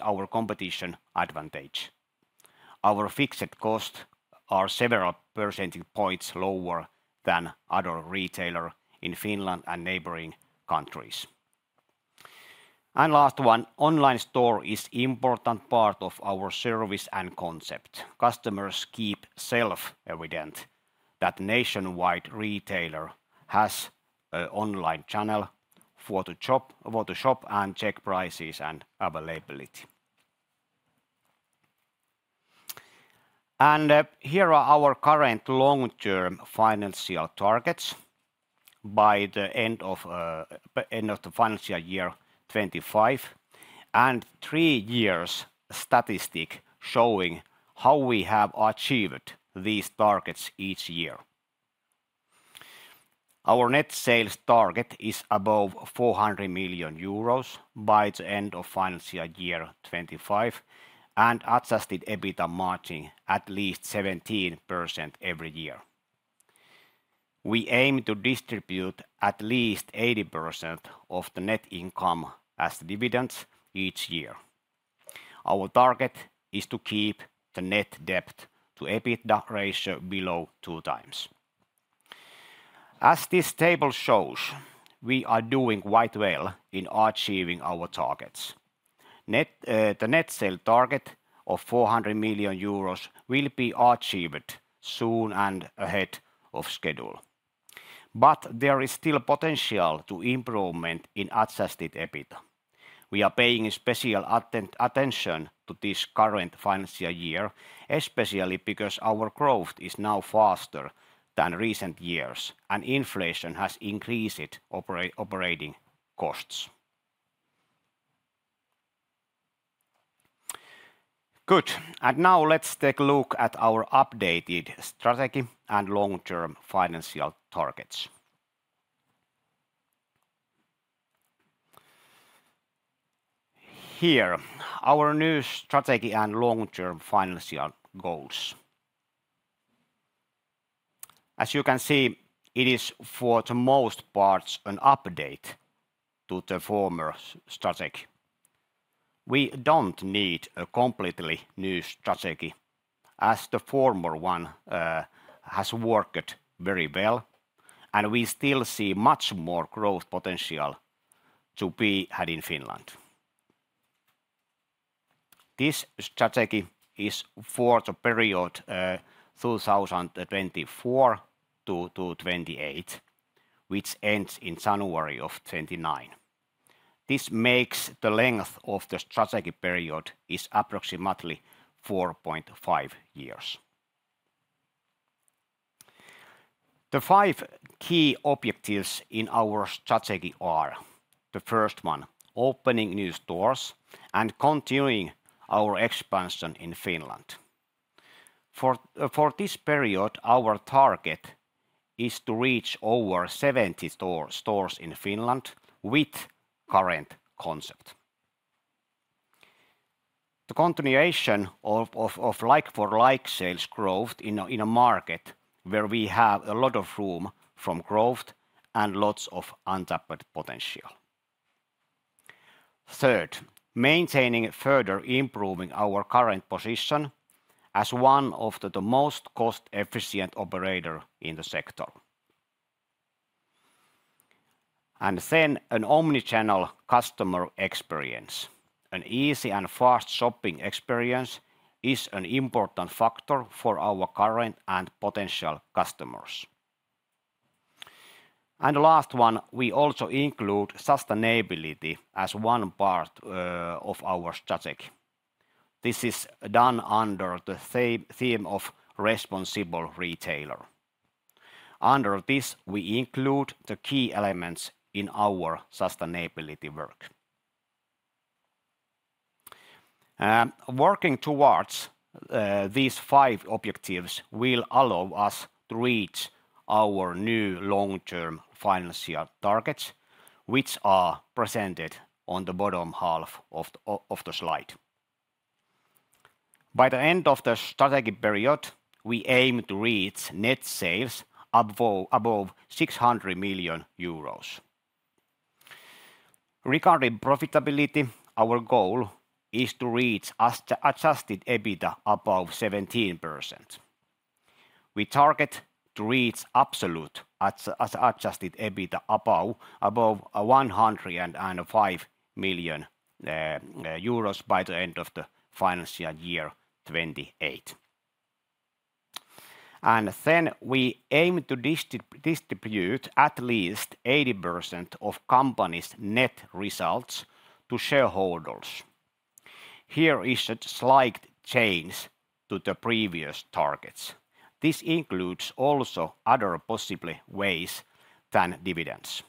our competition advantage. Our fixed costs are several percentage points lower than other retailers in Finland and neighboring countries. Last one, online store is an important part of our service and concept. Customers keep self-evident that a nationwide retailer has an online channel for to shop and check prices and availability. Here are our current long-term financial targets by the end of the financial year 2025 and three years' statistics showing how we have achieved these targets each year. Our net sales target is above 400 million euros by the end of financial year 2025 and Adjusted EBITDA margin at least 17% every year. We aim to distribute at least 80% of the net income as dividends each year. Our target is to keep the net debt to EBITDA ratio below 2x. As this table shows, we are doing quite well in achieving our targets. The net sales target of 400 million euros will be achieved soon and ahead of schedule. There is still potential for improvement in adjusted EBITDA. We are paying special attention to this current financial year, especially because our growth is now faster than recent years and inflation has increased operating costs. Good. Now let's take a look at our updated strategy and long-term financial targets. Here, our new strategy and long-term financial goals. As you can see, it is for the most part an update to the former strategy. We don't need a completely new strategy as the former one has worked very well, and we still see much more growth potential to be had in Finland. This strategy is for the period 2024-2028, which ends in January of 2029. This makes the length of the strategy period approximately 4.5 years. The five key objectives in our strategy are: the first one, opening new stores and continuing our expansion in Finland. For this period, our target is to reach over 70 stores in Finland with the current concept. The continuation of like-for-like sales growth in a market where we have a lot of room for growth and lots of untapped potential. Third, maintaining and further improving our current position as one of the most cost-efficient operators in the sector. And then, an omnichannel customer experience. An easy and fast shopping experience is an important factor for our current and potential customers. And the last one, we also include sustainability as one part of our strategy. This is done under the theme of responsible retailer. Under this, we include the key elements in our sustainability work. Working towards these five objectives will allow us to reach our new long-term financial targets, which are presented on the bottom half of the slide. By the end of the strategic period, we aim to reach net sales above 600 million euros. Regarding profitability, our goal is to reach adjusted EBITDA above 17%. We target to reach absolute adjusted EBITDA above 105 million euros by the end of the financial year 2028. We aim to distribute at least 80% of company's net results to shareholders. Here is a slight change to the previous targets. This includes also other possible ways than dividends.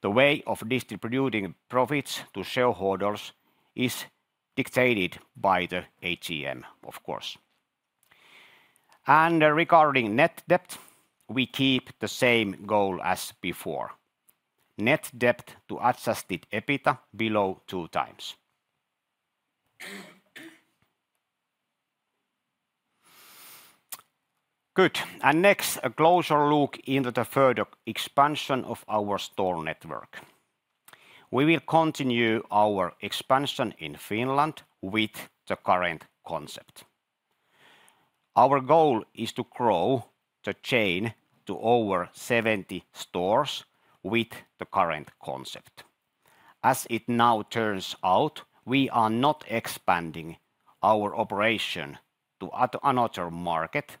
The way of distributing profits to shareholders is dictated by the AGM, of course. Regarding net debt, we keep the same goal as before: net debt to adjusted EBITDA below 2x. Good. Next, a closer look into the further expansion of our store network. We will continue our expansion in Finland with the current concept. Our goal is to grow the chain to over 70 stores with the current concept. As it now turns out, we are not expanding our operation to another market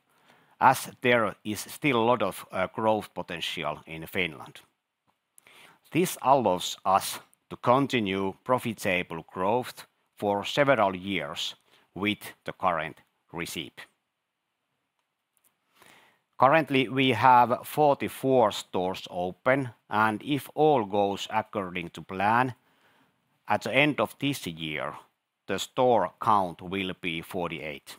as there is still a lot of growth potential in Finland. This allows us to continue profitable growth for several years with the current concept. Currently, we have 44 stores open, and if all goes according to plan, at the end of this year, the store count will be 48.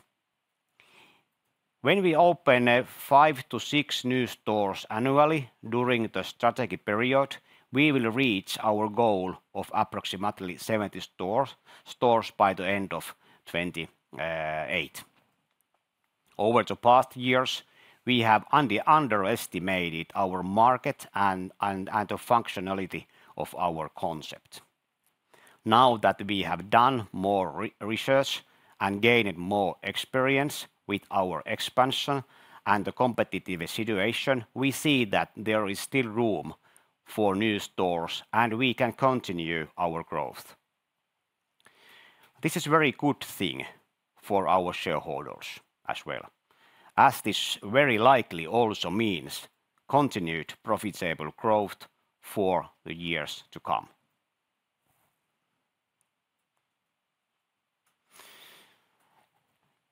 When we open 5-6 new stores annually during the strategic period, we will reach our goal of approximately 70 stores by the end of 2028. Over the past years, we have underestimated our market and the functionality of our concept. Now that we have done more research and gained more experience with our expansion and the competitive situation, we see that there is still room for new stores and we can continue our growth. This is a very good thing for our shareholders as well, as this very likely also means continued profitable growth for the years to come.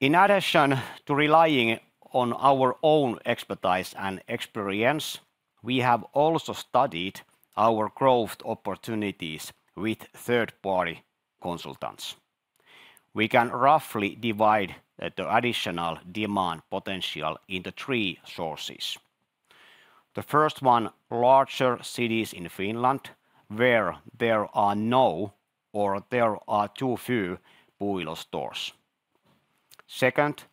In addition to relying on our own expertise and experience, we have also studied our growth opportunities with third-party consultants. We can roughly divide the additional demand potential into three sources. The first one, larger cities in Finland where there are no or there are too few Puuilo stores. Second,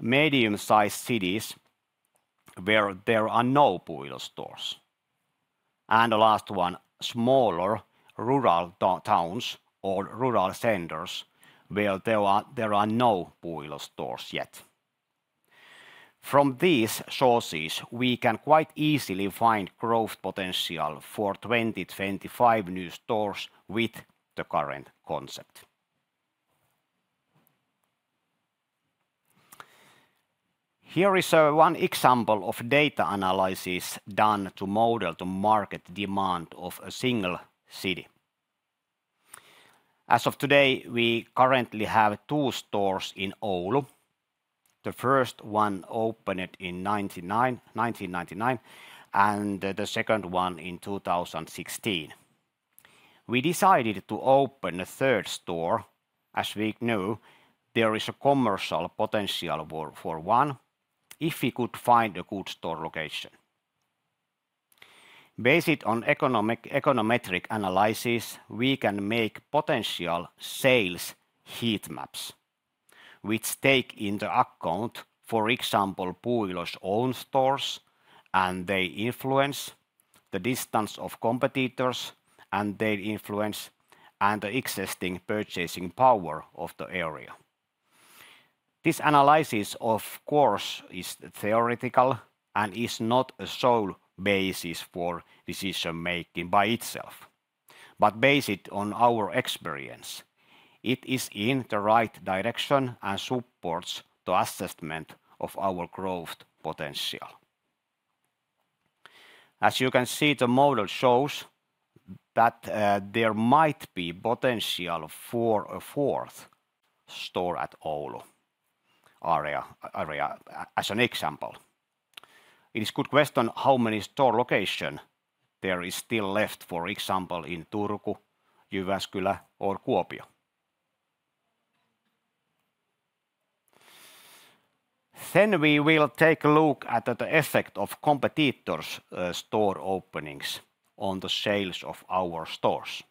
medium-sized cities where there are no Puuilo stores. And the last one, smaller rural towns or rural centers where there are no Puuilo stores yet. From these sources, we can quite easily find growth potential for 2025 new stores with the current concept. Here is one example of data analysis done to model the market demand of a single city. As of today, we currently have two stores in Oulu. The first one opened in 1999 and the second one in 2016. We decided to open the third store as we knew there is a commercial potential for one if we could find a good store location. Based on econometric analysis, we can make potential sales heat maps which take into account, for example, Puuilo's own stores and they influence the distance of competitors and they influence the existing purchasing power of the area. This analysis, of course, is theoretical and is not a sole basis for decision-making by itself. But based on our experience, it is in the right direction and supports the assessment of our growth potential. As you can see, the model shows that there might be potential for a fourth store at Oulu area as an example. It is a good question how many store locations there are still left, for example, in Turku, Jyväskylä or Kuopio. Then we will take a look at the effect of competitors' store openings on the sales of our stores.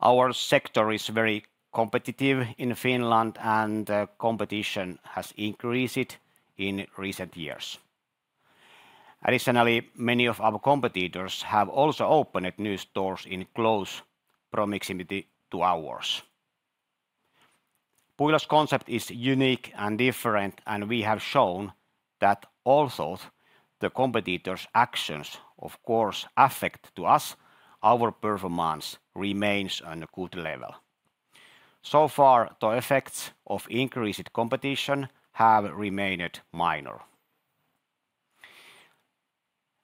Our sector is very competitive in Finland, and competition has increased in recent years. Additionally, many of our competitors have also opened new stores in close proximity to ours. Puuilo's concept is unique and different, and we have shown that although the competitors' actions, of course, affect us, our performance remains on a good level. So far, the effects of increased competition have remained minor.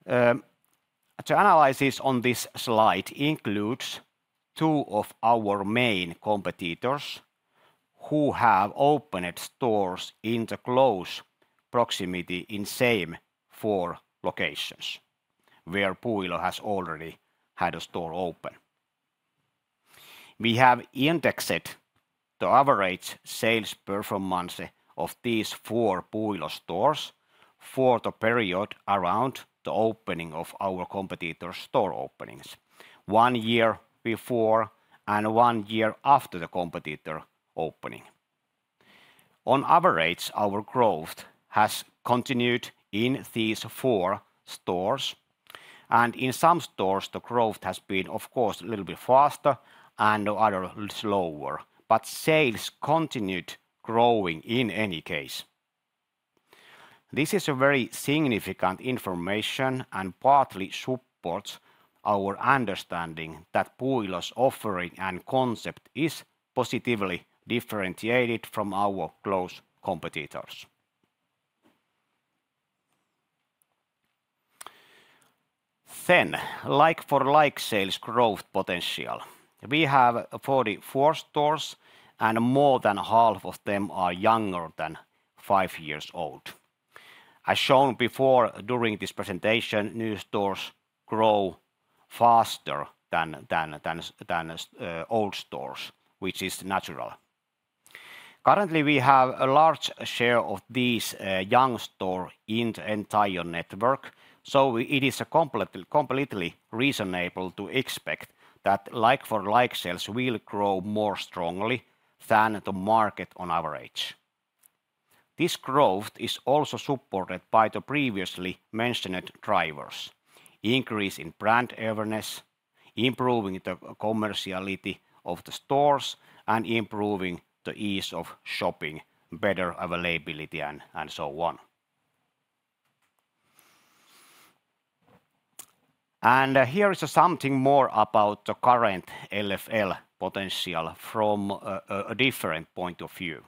The analysis on this slide includes two of our main competitors who have opened stores in the close proximity in the same four locations where Puuilo has already had a store open. We have indexed the average sales performance of these four Puuilo stores for the period around the opening of our competitors' store openings, one year before and one year after the competitor opening. On average, our growth has continued in these four stores, and in some stores, the growth has been, of course, a little bit faster and the other slower, but sales continued growing in any case. This is very significant information and partly supports our understanding that Puuilo's offering and concept is positively differentiated from our close competitors. Then, like-for-like sales growth potential. We have 44 stores, and more than half of them are younger than five years old. As shown before during this presentation, new stores grow faster than old stores, which is natural. Currently, we have a large share of these young stores in the entire network, so it is completely reasonable to expect that like-for-like sales will grow more strongly than the market on average. This growth is also supported by the previously mentioned drivers: increase in brand awareness, improving the commerciality of the stores, and improving the ease of shopping, better availability, and so on. Here is something more about the current LFL potential from a different point of view.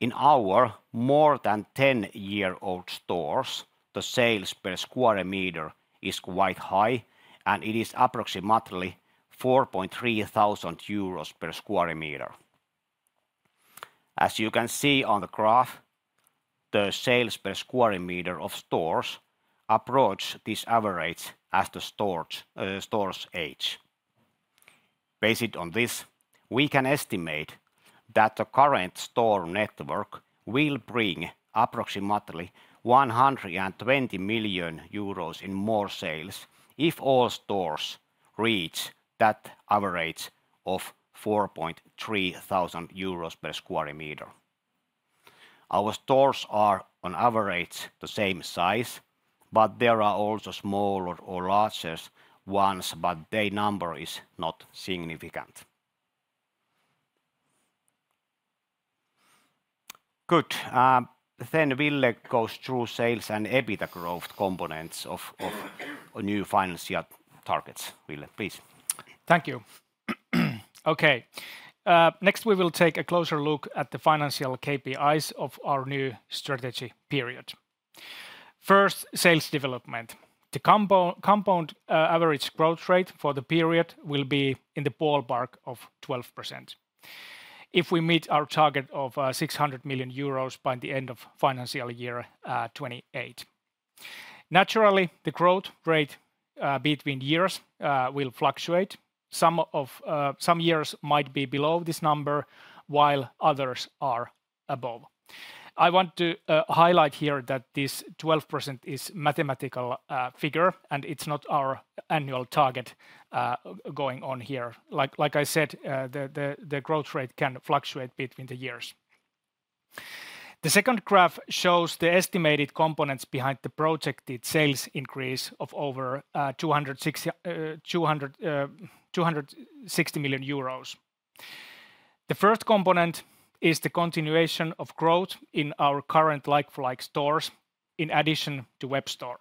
In our more than 10-year-old stores, the sales per m² is quite high, and it is approximately 4,300 euros per m². As you can see on the graph, the sales per m² of stores approach these averages as the stores age. Based on this, we can estimate that the current store network will bring approximately 120 million euros in more sales if all stores reach that average of 4,300 euros per m². Our stores are on average the same size, but there are also smaller or larger ones, but their number is not significant. Good. Then Ville goes through sales and EBITDA growth components of new financial targets. Ville, please. - Thank you. Okay. Next, we will take a closer look at the financial KPIs of our new strategy period. First, sales development. The compound average growth rate for the period will be in the ballpark of 12% if we meet our target of 600 million euros by the end of financial year 2028. Naturally, the growth rate between years will fluctuate. Some years might be below this number, while others are above. I want to highlight here that this 12% is a mathematical figure, and it's not our annual target going on here. Like I said, the growth rate can fluctuate between the years. The second graph shows the estimated components behind the projected sales increase of over 260 million euros. The first component is the continuation of growth in our current like-for-like stores in addition to web store.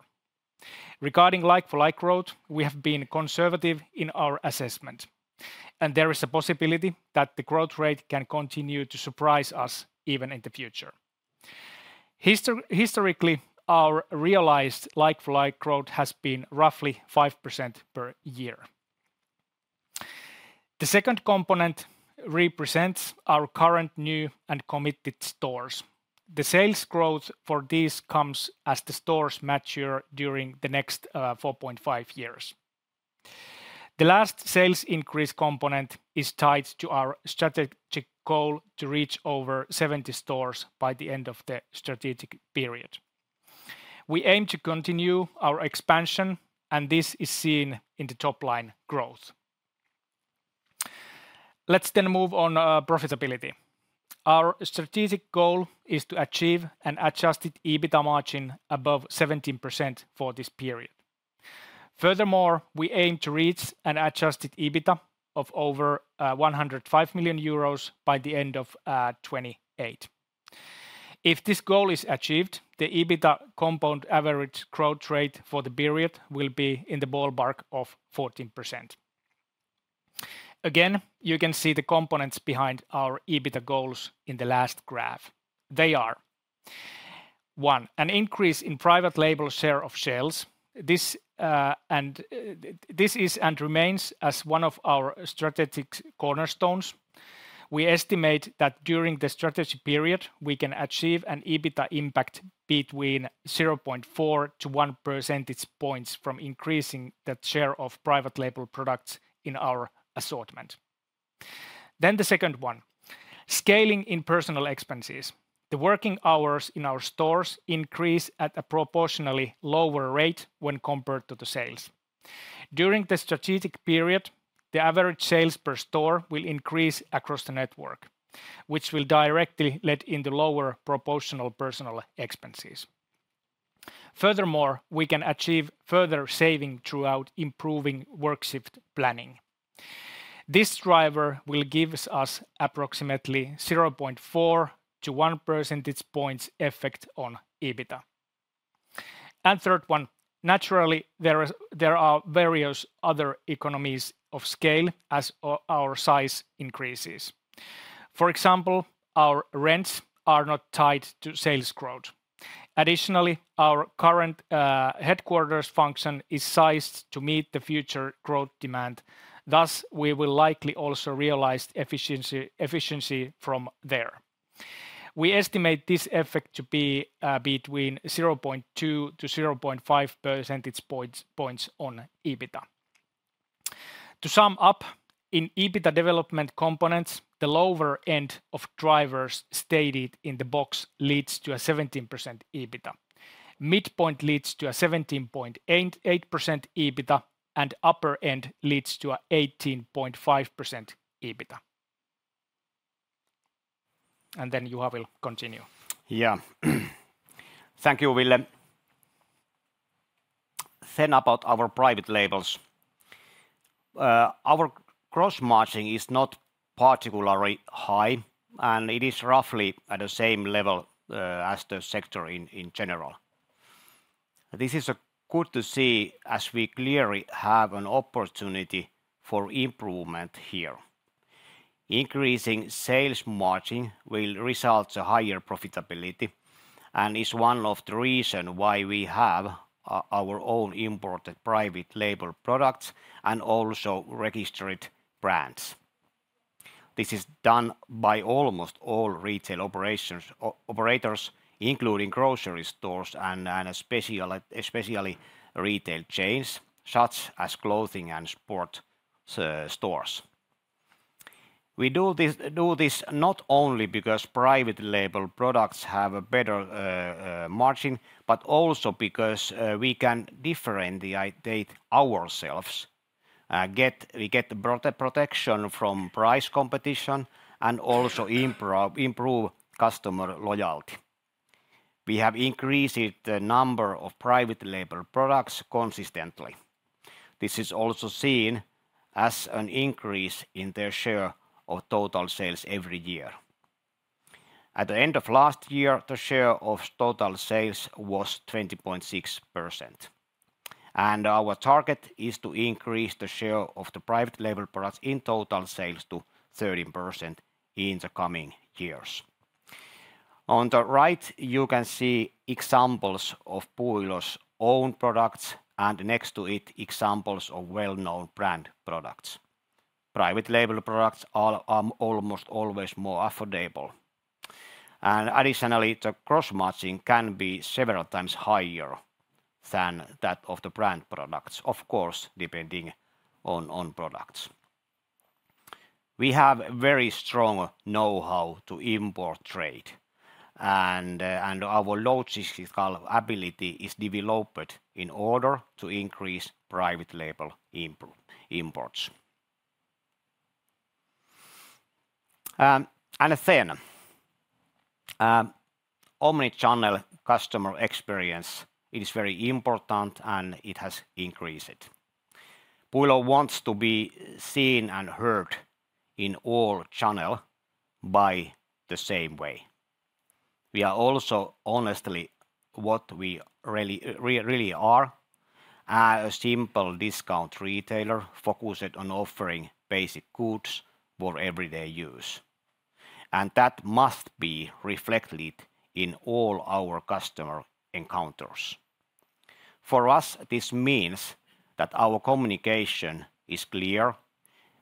Regarding like-for-like growth, we have been conservative in our assessment, and there is a possibility that the growth rate can continue to surprise us even in the future. Historically, our realized like-for-like growth has been roughly 5% per year. The second component represents our current new and committed stores. The sales growth for these comes as the stores mature during the next 4.5 years. The last sales increase component is tied to our strategic goal to reach over 70 stores by the end of the strategic period. We aim to continue our expansion, and this is seen in the top line growth. Let's then move on to profitability. Our strategic goal is to achieve an Adjusted EBITDA margin above 17% for this period. Furthermore, we aim to reach an Adjusted EBITDA of over 105 million euros by the end of 2028. If this goal is achieved, the EBITDA compound average growth rate for the period will be in the ballpark of 14%. Again, you can see the components behind our EBITDA goals in the last graph. They are: one, an increase in private label share of sales. This is and remains as one of our strategic cornerstones. We estimate that during the strategy period, we can achieve an EBITDA impact between0.4%-1.0% points from increasing the share of private label products in our assortment. Then the second one, scaling in personnel expenses. The working hours in our stores increase at a proportionally lower rate when compared to the sales. During the strategic period, the average sales per store will increase across the network, which will directly lead into lower proportional personnel expenses. Furthermore, we can achieve further savings throughout improving work shift planning. This driver will give us approximately 0.4%-1% points effect on EBITDA. Third one, naturally, there are various other economies of scale as our size increases. For example, our rents are not tied to sales growth. Additionally, our current headquarters function is sized to meet the future growth demand. Thus, we will likely also realize efficiency from there. We estimate this effect to be between 0.2%-0.5% points on EBITDA. To sum up, in EBITDA development components, the lower end of drivers stated in the box leads to a 17% EBITDA. Midpoint leads to a 17.8% EBITDA, and upper end leads to a 18.5% EBITDA. And then Juha will continue. Yeah. Thank you, Ville. Then about our private labels. Our gross margin is not particularly high, and it is roughly at the same level as the sector in general. This is good to see as we clearly have an opportunity for improvement here. Increasing sales margin will result in higher profitability and is one of the reasons why we have our own imported private label products and also registered brands. This is done by almost all retail operators, including grocery stores and especially retail chains such as clothing and sports stores. We do this not only because private label products have a better margin, but also because we can differentiate ourselves. We get the protection from price competition and also improve customer loyalty. We have increased the number of private label products consistently. This is also seen as an increase in their share of total sales every year. At the end of last year, the share of total sales was 20.6%, and our target is to increase the share of the private label products in total sales to 13% in the coming years. On the right, you can see examples of Puuilo's own products, and next to it, examples of well-known brand products. Private label products are almost always more affordable. Additionally, the gross margin can be several times higher than that of the brand products, of course, depending on products. We have very strong know-how to import trade, and our logistical ability is developed in order to increase private label imports. Then, omnichannel customer experience. It is very important, and it has increased. Puuilo wants to be seen and heard in all channels by the same way. We are also honestly what we really are: a simple discount retailer focused on offering basic goods for everyday use. That must be reflected in all our customer encounters. For us, this means that our communication is clear,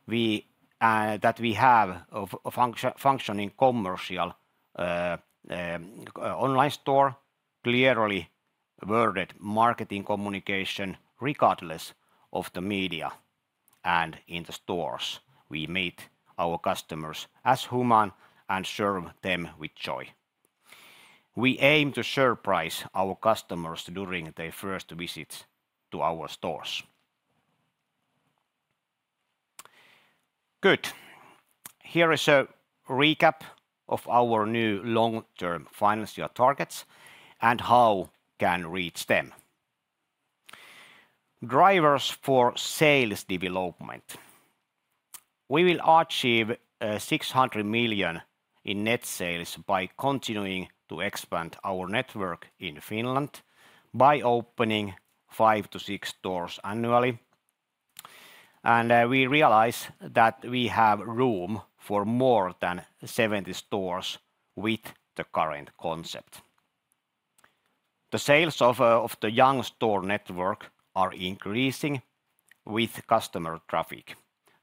that we have a functioning commercial online store, clearly worded marketing communication regardless of the media. In the stores, we meet our customers as human and serve them with joy. We aim to surprise our customers during their first visits to our stores. Good. Here is a recap of our new long-term financial targets and how we can reach them. Drivers for sales development. We will achieve 600 million in net sales by continuing to expand our network in Finland by opening 5-6 stores annually. We realize that we have room for more than 70 stores with the current concept. The sales of the young store network are increasing with customer traffic.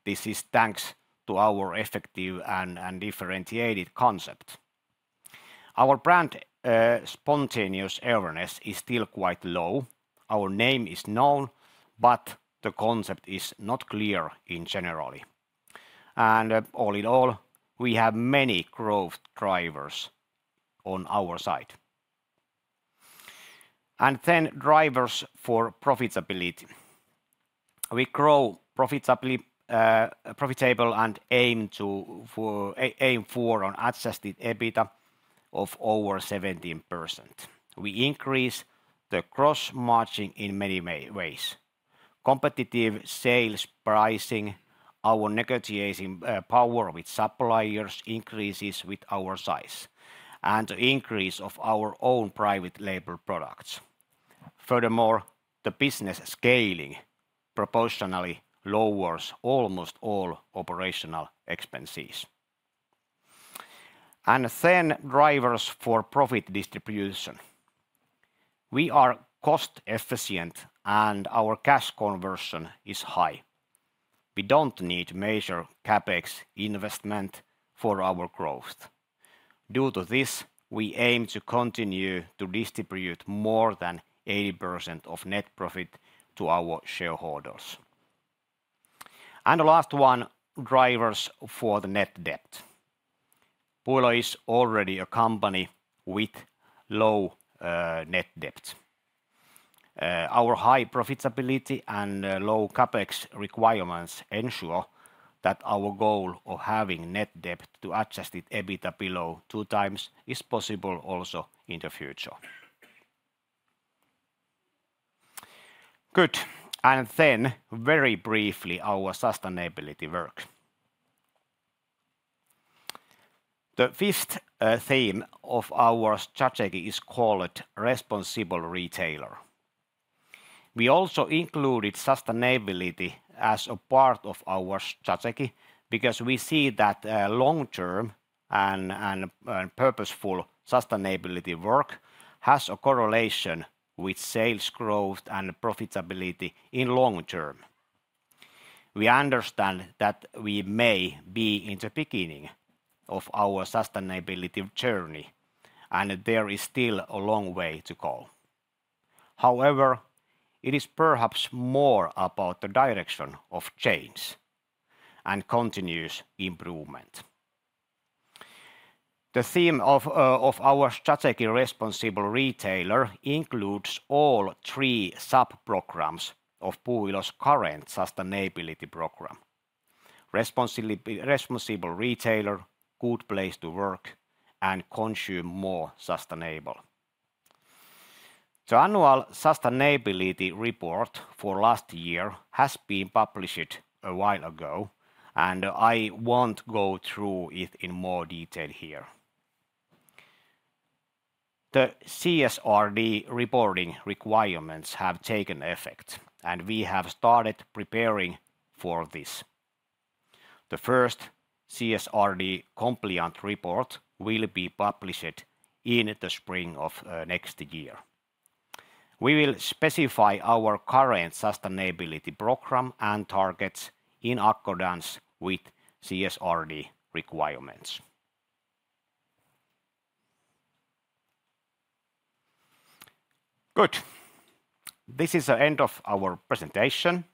This is thanks to our effective and differentiated concept. Our brand spontaneous awareness is still quite low. Our name is known, but the concept is not clear in general. All in all, we have many growth drivers on our side. Then drivers for profitability. We grow profitable and aim for an Adjusted EBITDA of over 17%. We increase the gross margin in many ways. Competitive sales pricing, our negotiating power with suppliers increases with our size and the increase of our own private label products. Furthermore, the business scaling proportionally lowers almost all operational expenses. Drivers for profit distribution. We are cost-efficient, and our cash conversion is high. We don't need major CapEx investment for our growth. Due to this, we aim to continue to distribute more than 80% of net profit to our shareholders. Drivers for the net debt. Puuilo is already a company with low net debt. Our high profitability and low CapEx requirements ensure that our goal of having net debt to Adjusted EBITDA below 2x is possible also in the future. Good. Very briefly, our sustainability work. The fifth theme of our strategy is called responsible retailer. We also included sustainability as a part of our strategy because we see that long-term and purposeful sustainability work has a correlation with sales growth and profitability in long-term. We understand that we may be in the beginning of our sustainability journey, and there is still a long way to go. However, it is perhaps more about the direction of change and continuous improvement. The theme of our strategic responsible retailer includes all three subprograms of Puuilo's current sustainability program: responsible retailer, good place to work, and consume more sustainably. The annual sustainability report for last year has been published a while ago, and I won't go through it in more detail here. The CSRD reporting requirements have taken effect, and we have started preparing for this. The first CSRD compliant report will be published in the spring of next year. We will specify our current sustainability program and targets in accordance with CSRD requirements. Good. This is the end of our presentation.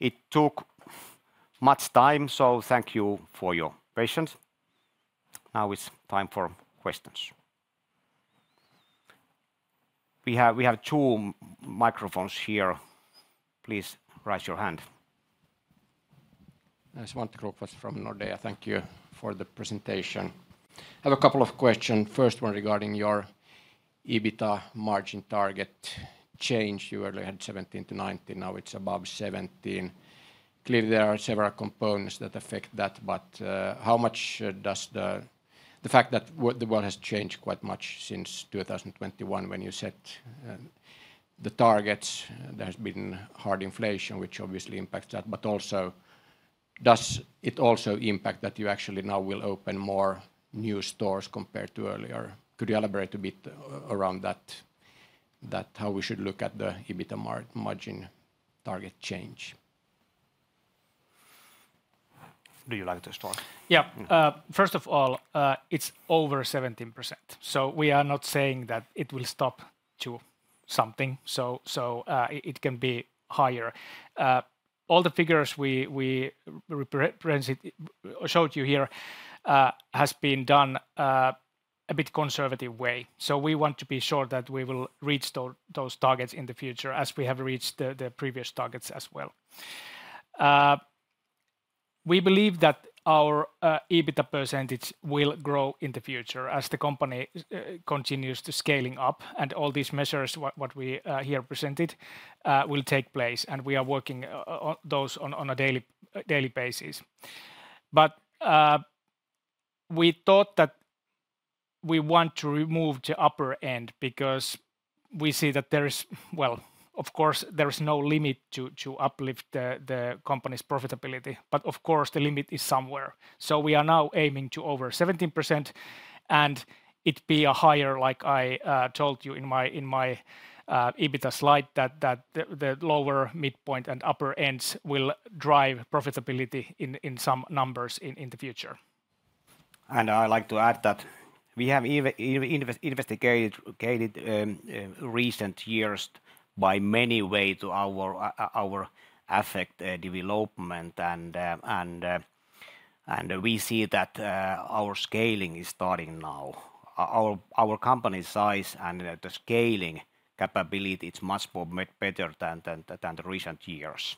It took much time, so thank you for your patience. Now it's time for questions. We have two microphones here. Please raise your hand. Svante Krokfors from Nordea. Thank you for the presentation. I have a couple of questions. First one regarding your EBITDA margin target change. You earlier had 17-19. Now it's above 17. Clearly, there are several components that affect that. But how much does the fact that the world has changed quite much since 2021 when you set the targets? There has been hard inflation, which obviously impacts that. But also, does it also impact that you actually now will open more new stores compared to earlier? Could you elaborate a bit around that? How we should look at the EBITDA margin target change? Do you like to start? Yeah. First of all, it's over 17%. So we are not saying that it will stop to something. So it can be higher. All the figures we showed you here have been done a bit conservative way. So we want to be sure that we will reach those targets in the future as we have reached the previous targets as well. We believe that our EBITDA percentage will grow in the future as the company continues to scale up, and all these measures, what we here presented, will take place. We are working on those on a daily basis. But we thought that we want to remove the upper end because we see that there is. Well, of course, there is no limit to uplift the company's profitability. But of course, the limit is somewhere. So we are now aiming to over 17% and it be higher, like I told you in my EBITDA slide, that the lower midpoint and upper ends will drive profitability in some numbers in the future. I like to add that we have investigated recent years by many ways to our effect development, and we see that our scaling is starting now. Our company size and the scaling capability is much better than the recent years.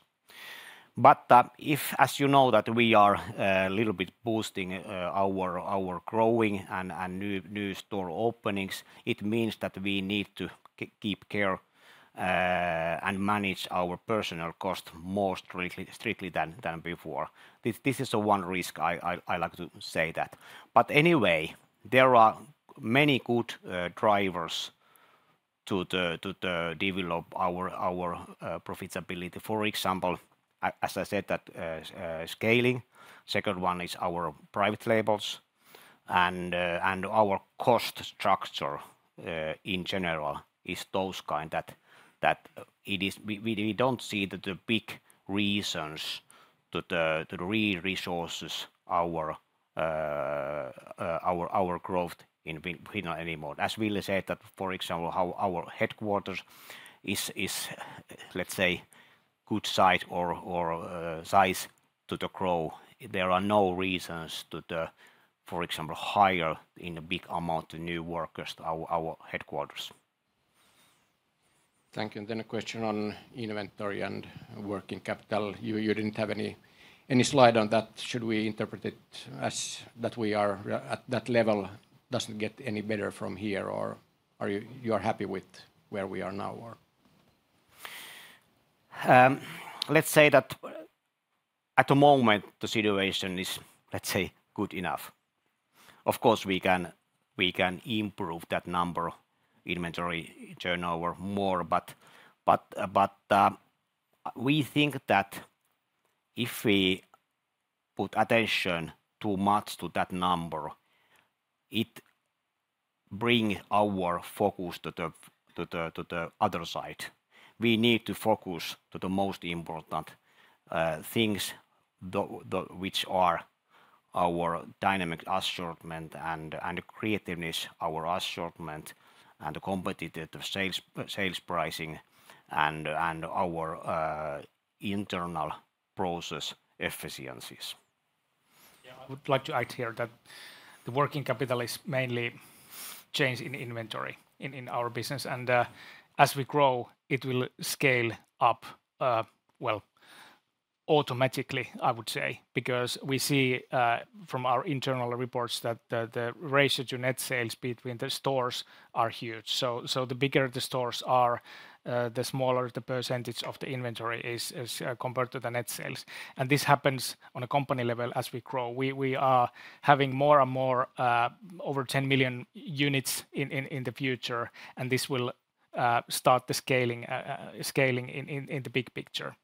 But if, as you know, that we are a little bit boosting our growth and new store openings, it means that we need to take care and manage our personnel costs more strictly than before. This is one risk. I like to say that. But anyway, there are many good drivers to develop our profitability. For example, as I said, that scaling. Second one is our private labels and our cost structure in general is those kind that, that it is, We don't see that the big reasons to resource our growth in Finland anymore. As Ville said, that for example, how our headquarters is, let's say, a good site or size to grow. There are no reasons to, for example, hire in a big amount of new workers to our headquarters. Thank you. And then a question on inventory and working capital. You didn't have any slide on that. Should we interpret it as that we are at that level doesn't get any better from here? Or are you happy with where we are now? Let's say that at the moment the situation is, let's say, good enough. Of course, we can improve that number, inventory turnover more. But we think that if we put attention too much to that number, it brings our focus to the other side. We need to focus on the most important things, which are our dynamic assortment and creativeness, our assortment and the competitive sales pricing and our internal process efficiencies. Yeah, I would like to add here that the working capital is mainly change in inventory in our business. And as we grow, it will scale up, well, automatically, I would say, because we see from our internal reports that the ratio to net sales between the stores are huge. So the bigger the stores are, the smaller the percentage of the inventory is compared to the net sales. And this happens on a company level as we grow. We are having more and more, over 10 million units in the future, and this will start the scaling in the big picture.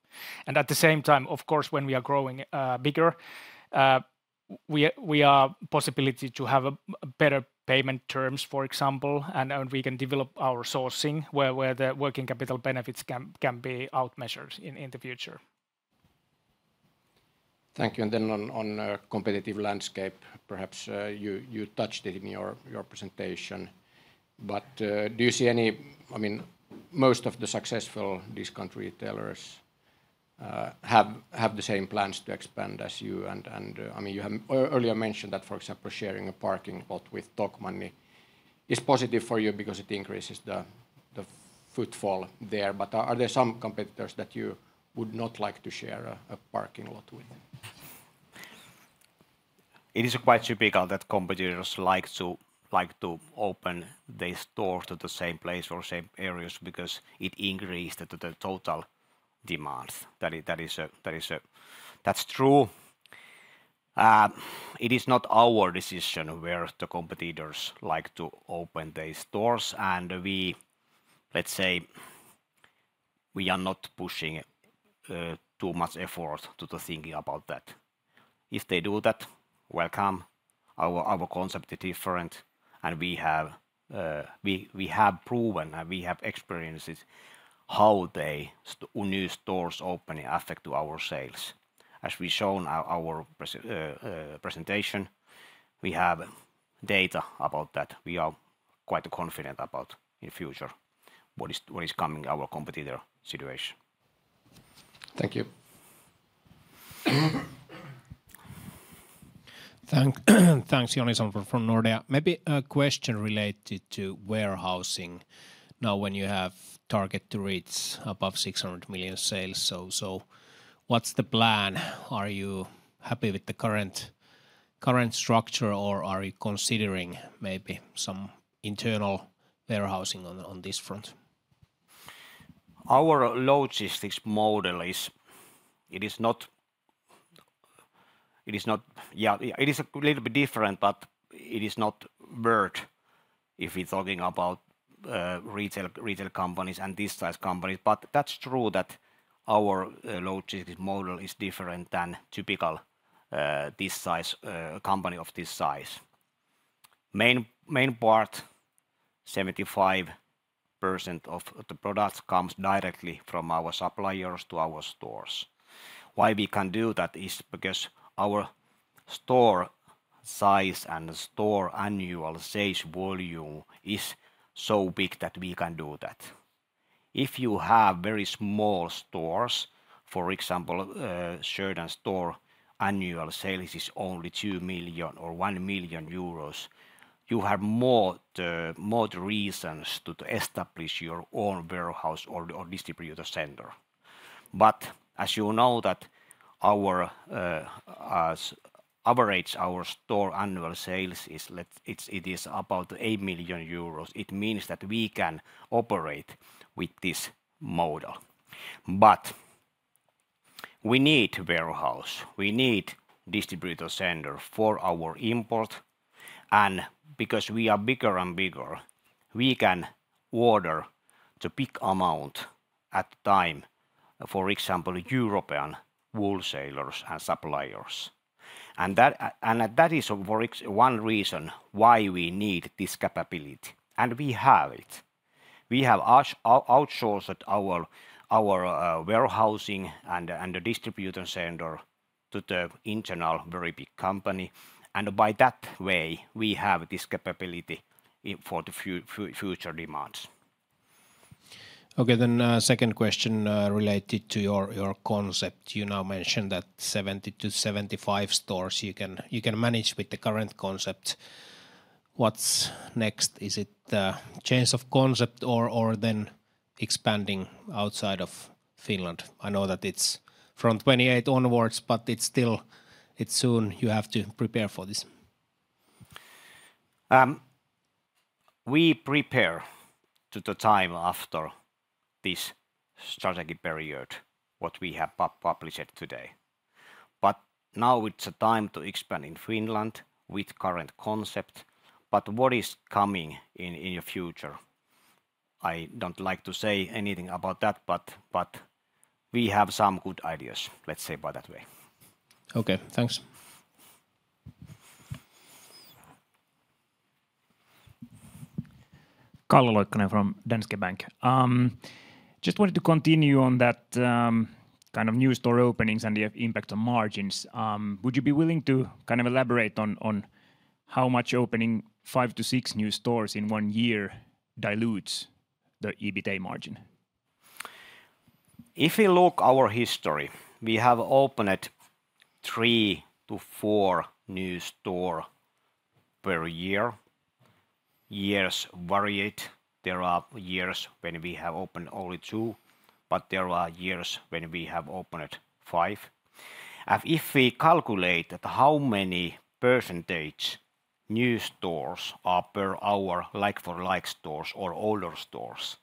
And at the same time, of course, when we are growing bigger, we have the possibility to have better payment terms, for example, and we can develop our sourcing where the working capital benefits can be outweighed in the future. Thank you. And then on a competitive landscape, perhaps you touched it in your presentation. But do you see any. I mean, most of the successful discount retailers have the same plans to expand as you? And I mean, you have earlier mentioned that, for example, sharing a parking lot with Tokmanni is positive for you because it increases the footfall there. But are there some competitors that you would not like to share a parking lot with? It is quite typical that competitors like to open their stores to the same place or same areas because it increases the total demand. That is a, That's true. It is not our decision where the competitors like to open their stores. We, let's say, we are not pushing too much effort to think about that. If they do that, welcome. Our concept is different, and we have proven and we have experiences how new stores opening affect our sales. As we showed in our presentation, we have data about that. We are quite confident about in the future what is coming, our competitor situation. Thank you. Thanks, Joni, from Nordea. Maybe a question related to warehousing. Now, when you have a target to reach above 600 million sales, so what's the plan? Are you happy with the current structure or are you considering maybe some internal warehousing on this front? Our logistics model is, It is not, It is not. Yeah, it is a little bit different, but it is not worth if we're talking about retail companies and this size companies. But that's true that our logistics model is different than typical this size company of this size. Main part, 75% of the products comes directly from our suppliers to our stores. Why we can do that is because our store size and store annual sales volume is so big that we can do that. If you have very small stores, for example, standard store annual sales is only 2 million or 1 million euros, you have more reasons to establish your own warehouse or distributor center. But as you know that our average, our store annual sales is about 8 million euros. It means that we can operate with this model. But we need a warehouse. We need a distributor center for our import. Because we are bigger and bigger, we can order the big amount at the time, for example, European wholesalers and suppliers. And that is one reason why we need this capability. And we have it. We have outsourced our warehousing and the distribution center to an external very big company. And by that way, we have this capability for the future demands. Okay, then second question related to your concept. You now mentioned that 70-75 stores you can manage with the current concept. What's next? Is it a change of concept or then expanding outside of Finland? I know that it's from 2028 onwards, but it's still, It's soon. You have to prepare for this. We prepare to the time after this strategic period, what we have published today. But now it's a time to expand in Finland with the current concept. But what is coming in the future? I don't like to say anything about that, but we have some good ideas, let's say by that way. Okay, thanks. Calle Loikkanen from Danske Bank. I just wanted to continue on that kind of new store openings and the impact on margins. Would you be willing to kind of elaborate on how much opening 5-6 new stores in one year dilutes the EBITDA margin? If you look at our history, we have opened 3-4 new stores per year. Years vary it. There are years when we have opened only two, but there are years when we have opened five. If we calculate how many percentage new stores are per year, like-for-like stores or older stores,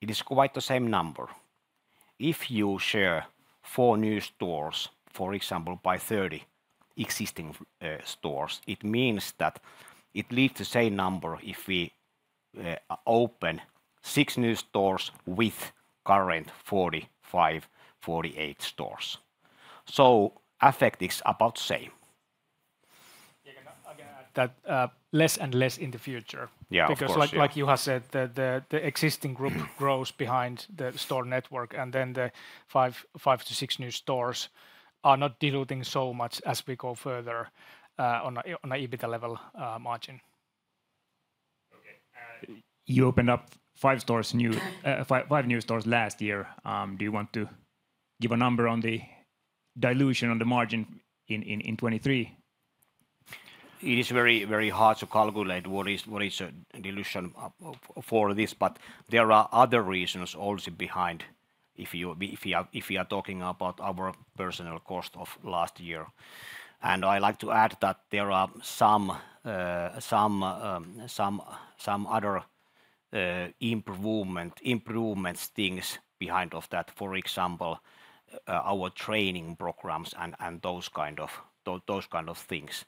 it is quite the same number. If you share four new stores, for example, by 30 existing stores, it means that it leaves the same number if we open six new stores with current 45-48 stores. So effect is about the same. Yeah, can I add that less and less in the future? Because like you have said, the existing group grows behind the store network, and then the 5-6 new stores are not diluting so much as we go further on an EBITDA level margin. Okay. You opened up five new stores last year. Do you want to give a number on the dilution on the margin in 2023? It is very hard to calculate what is a dilution for this, but there are other reasons also behind if you are talking about our personnel cost of last year. And I like to add that there are some other improvements things behind of that. For example, our training programs and those kind of things.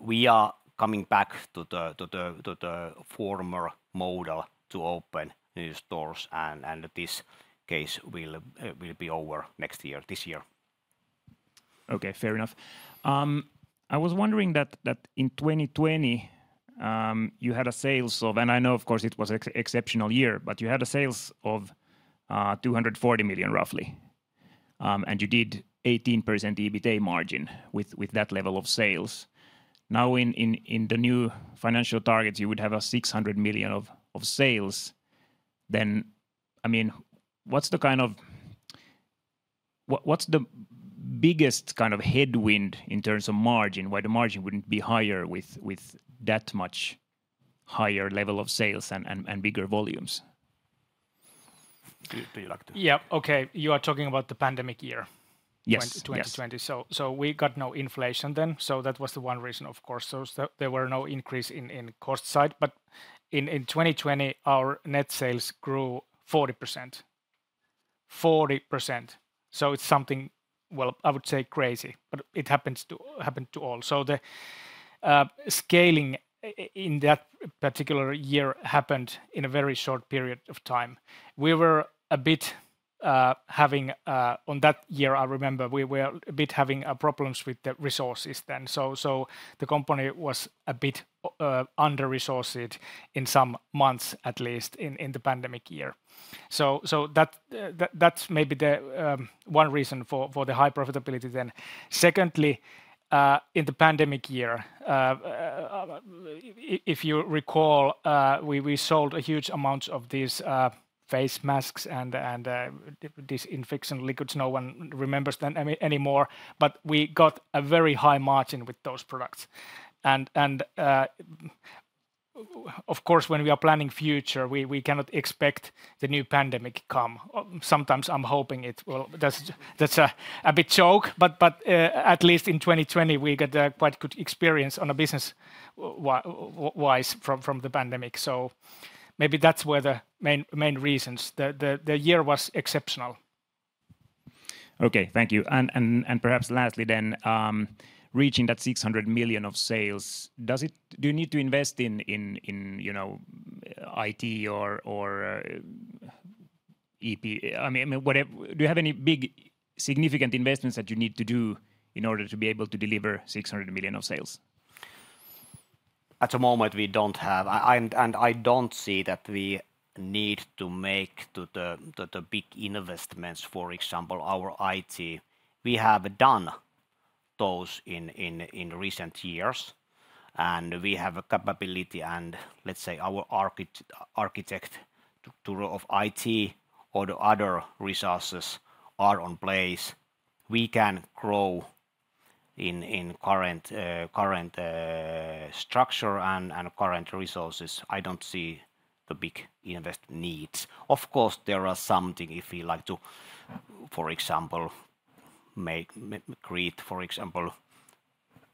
We are coming back to the former model to open new stores, and this case will be over next year, this year. Okay, fair enough. I was wondering that in 2020 you had a sales of. And I know, of course, it was an exceptional year, but you had a sales of 240 million roughly, and you did 18% EBITDA margin with that level of sales. Now, in the new financial targets, you would have 600 million of sales. Then, I mean, what's the kind of. What's the biggest kind of headwind in terms of margin? Why the margin wouldn't be higher with that much higher level of sales and bigger volumes? Do you like to. Yeah, okay. You are talking about the pandemic year, 2020. So we got no inflation then. So that was the one reason, of course. So there were no increase in cost side. But in 2020, our net sales grew 40%. 40%. So it's something. Well, I would say crazy, but it happened to all. So the scaling in that particular year happened in a very short period of time. We were a bit having. On that year, I remember we were a bit having problems with the resources then. So the company was a bit under-resourced in some months, at least in the pandemic year. So that's maybe the one reason for the high profitability then. Secondly, in the pandemic year, If you recall, we sold a huge amount of these face masks and disinfection liquids. No one remembers them anymore, but we got a very high margin with those products. And of course, when we are planning the future, we cannot expect the new pandemic to come. Sometimes I'm hoping it will. That's a bit of a joke, but at least in 2020, we got quite a good experience business-wise from the pandemic. So maybe that's where the main reasons. The year was exceptional. Okay, thank you. And perhaps lastly then, reaching that 600 million of sales, do you need to invest in, you know, IT or ERP. I mean, do you have any big significant investments that you need to do in order to be able to deliver 600 million of sales? At the moment, we don't have. And I don't see that we need to make the big investments, for example, our IT. We have done those in recent years, and we have a capability and, let's say, our architect of IT or the other resources are in place. We can grow in current structure and current resources. I don't see the big investment needs. Of course, there are something if you like to, for example, create, for example, a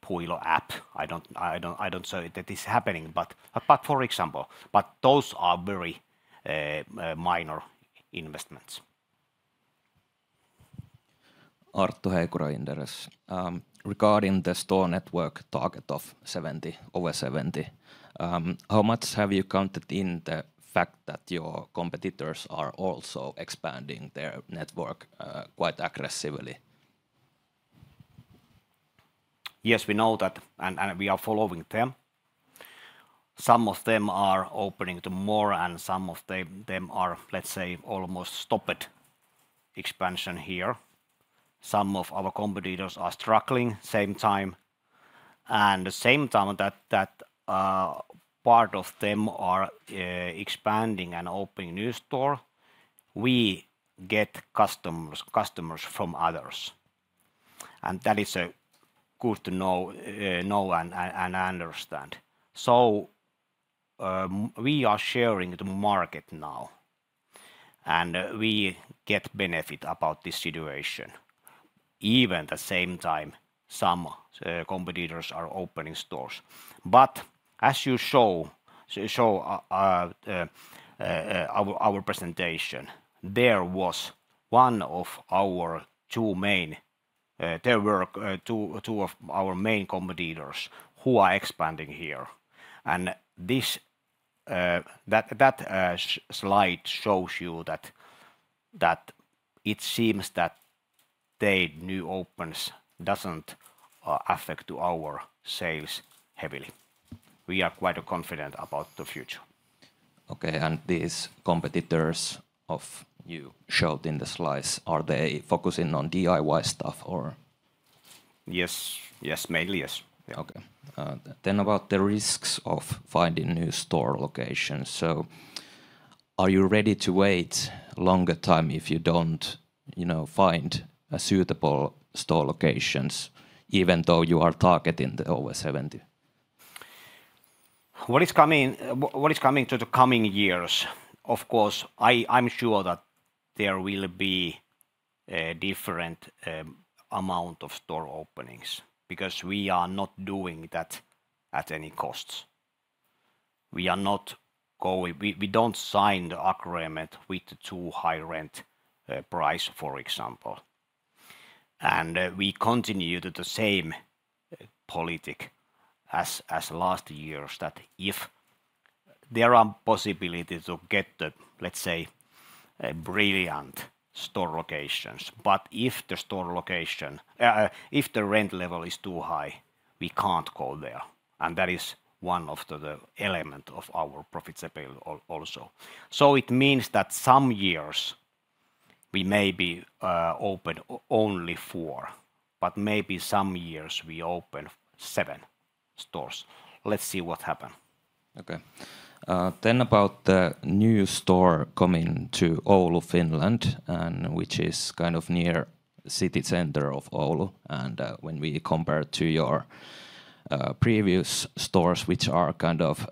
Puuilo app. I don't know that is happening, but for example. But those are very minor investments. Arttu Heikura, Inderes. Regarding the store network target of 70 over 70, how much have you counted in the fact that your competitors are also expanding their network quite aggressively? Yes, we know that and we are following them. Some of them are opening to more and some of them are, let's say, almost stopped expansion here. Some of our competitors are struggling at the same time. At the same time that part of them are expanding and opening a new store, we get customers from others. That is good to know and understand. So we are sharing the market now and we get benefit about this situation. Even at the same time, some competitors are opening stores. But as you showed in our presentation, there was one of our two main. There were two of our main competitors who are expanding here. And this. That slide shows you that it seems that their new opens doesn't affect our sales heavily. We are quite confident about the future. Okay, and these competitors of you showed in the slides, are they focusing on DIY stuff or? Yes, yes, mainly yes. Okay. Then about the risks of finding new store locations. So are you ready to wait a longer time if you don't, you know, find suitable store locations, even though you are targeting the over 70? What is coming to the coming years? Of course, I'm sure that there will be a different amount of store openings because we are not doing that at any costs. We are not going. We don't sign the agreement with the too high rent price, for example. And we continue to the same policy as last years, that if there are possibilities to get the, let's say, brilliant store locations. But if the store location. If the rent level is too high, we can't go there. And that is one of the elements of our profitability also. So it means that some years we may be open only four, but maybe some years we open seven stores. Let's see what happens. Okay. Then about the new store coming to Oulu, Finland, which is kind of near the city center of Oulu. And when we compare it to your previous stores, which are kind of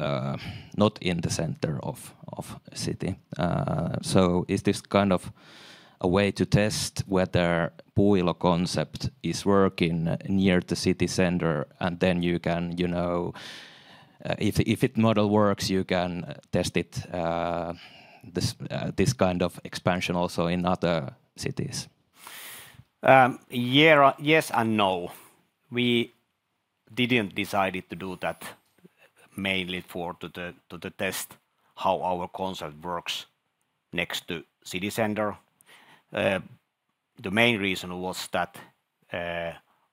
not in the center of the city. So is this kind of a way to test whether the Puuilo concept is working near the city center? And then you can, you know, if the model works, you can test this kind of expansion also in other cities. Yes and no. We didn't decide to do that mainly for to test how our concept works next to the city center. The main reason was that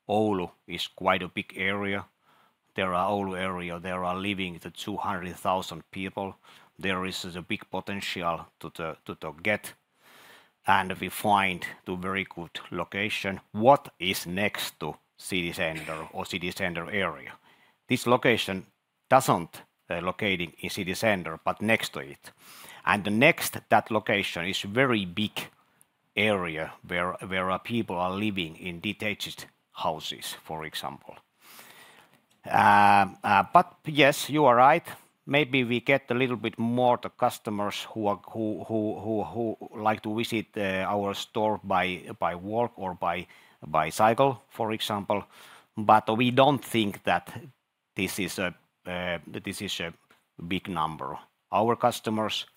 Oulu is quite a big area. There are Oulu areas. There are living the 200,000 people. There is a big potential to get. And we find a very good location. What is next to the city center or city center area? This location doesn't locate in the city center, but next to it. The next to that location is a very big area where people are living in detached houses, for example. But yes, you are right. Maybe we get a little bit more of the customers who like to visit our store by walk or by cycle, for example. But we don't think that this is a this is a big number. Our customers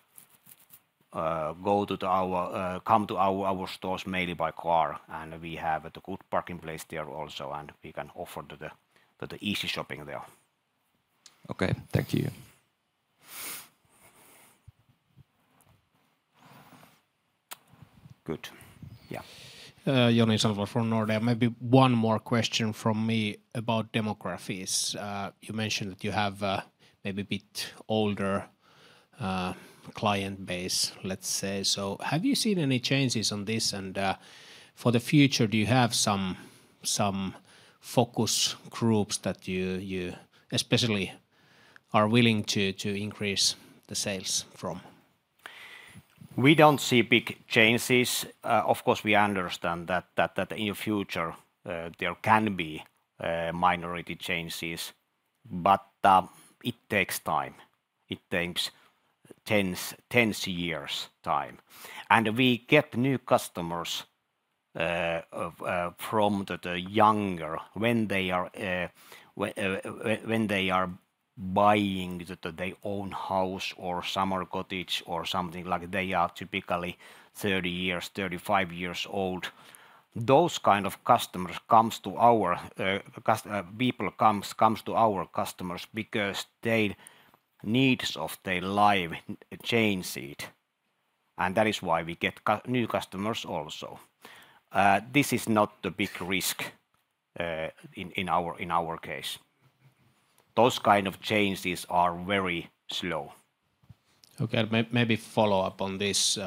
go to our. Come to our stores mainly by car, and we have a good parking place there also, and we can offer them the easy shopping there. Okay, thank you. Good. Yeah. Joni Sandvall from Nordea. Maybe one more question from me about demographics. You mentioned that you have maybe a bit older client base, let's say. So have you seen any changes on this? For the future, do you have some focus groups that you especially are willing to increase the sales from? We don't see big changes. Of course, we understand that in the future there can be minority changes, but it takes time. It takes tens of years. Time. And we get new customers from the younger when they are buying their own house or summer cottage or something like. They are typically 30 years, 35 years old. Those kinds of customers come to our. People come to our customers because their needs of their life change it. And that is why we get new customers also. This is not the big risk in our case. Those kinds of changes are very slow. Okay, maybe follow up on this.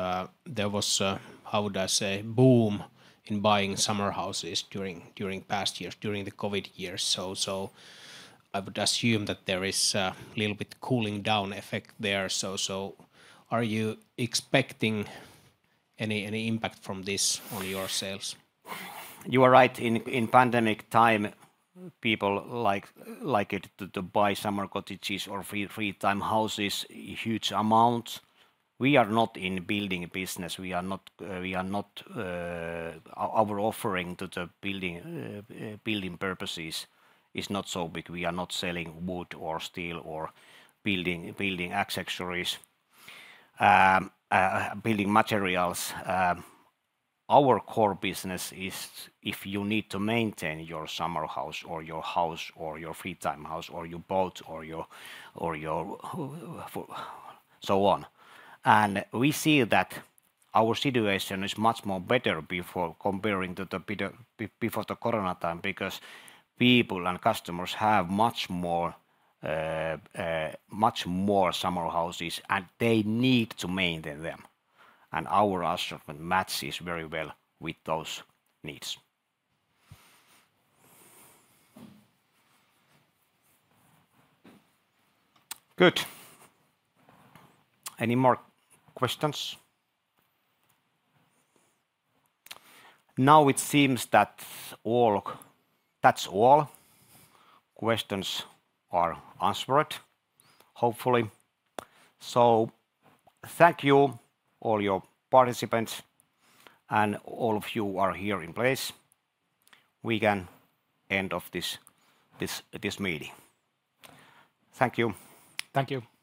There was, how would I say, a boom in buying summer houses during past years, during the COVID years. So I would assume that there is a little bit of a cooling down effect there. So are you expecting any impact from this on your sales? You are right. In pandemic time, people like it to buy summer cottages or free-time houses, huge amounts. We are not in the building business. We are not. Our offering to the building purposes is not so big. We are not selling wood or steel or building accessories, building materials. Our core business is if you need to maintain your summer house or your house or your free-time house or your boat or your. So on. And we see that our situation is much more better compared to the before the corona time because people and customers have much more summer houses and they need to maintain them. And our assortment matches very well with those needs. Good. Any more questions? Now it seems that all. That's all. Questions are answered, hopefully. So thank you, all your participants. And all of you who are here in place, we can end this this meeting. Thank you. Thank you.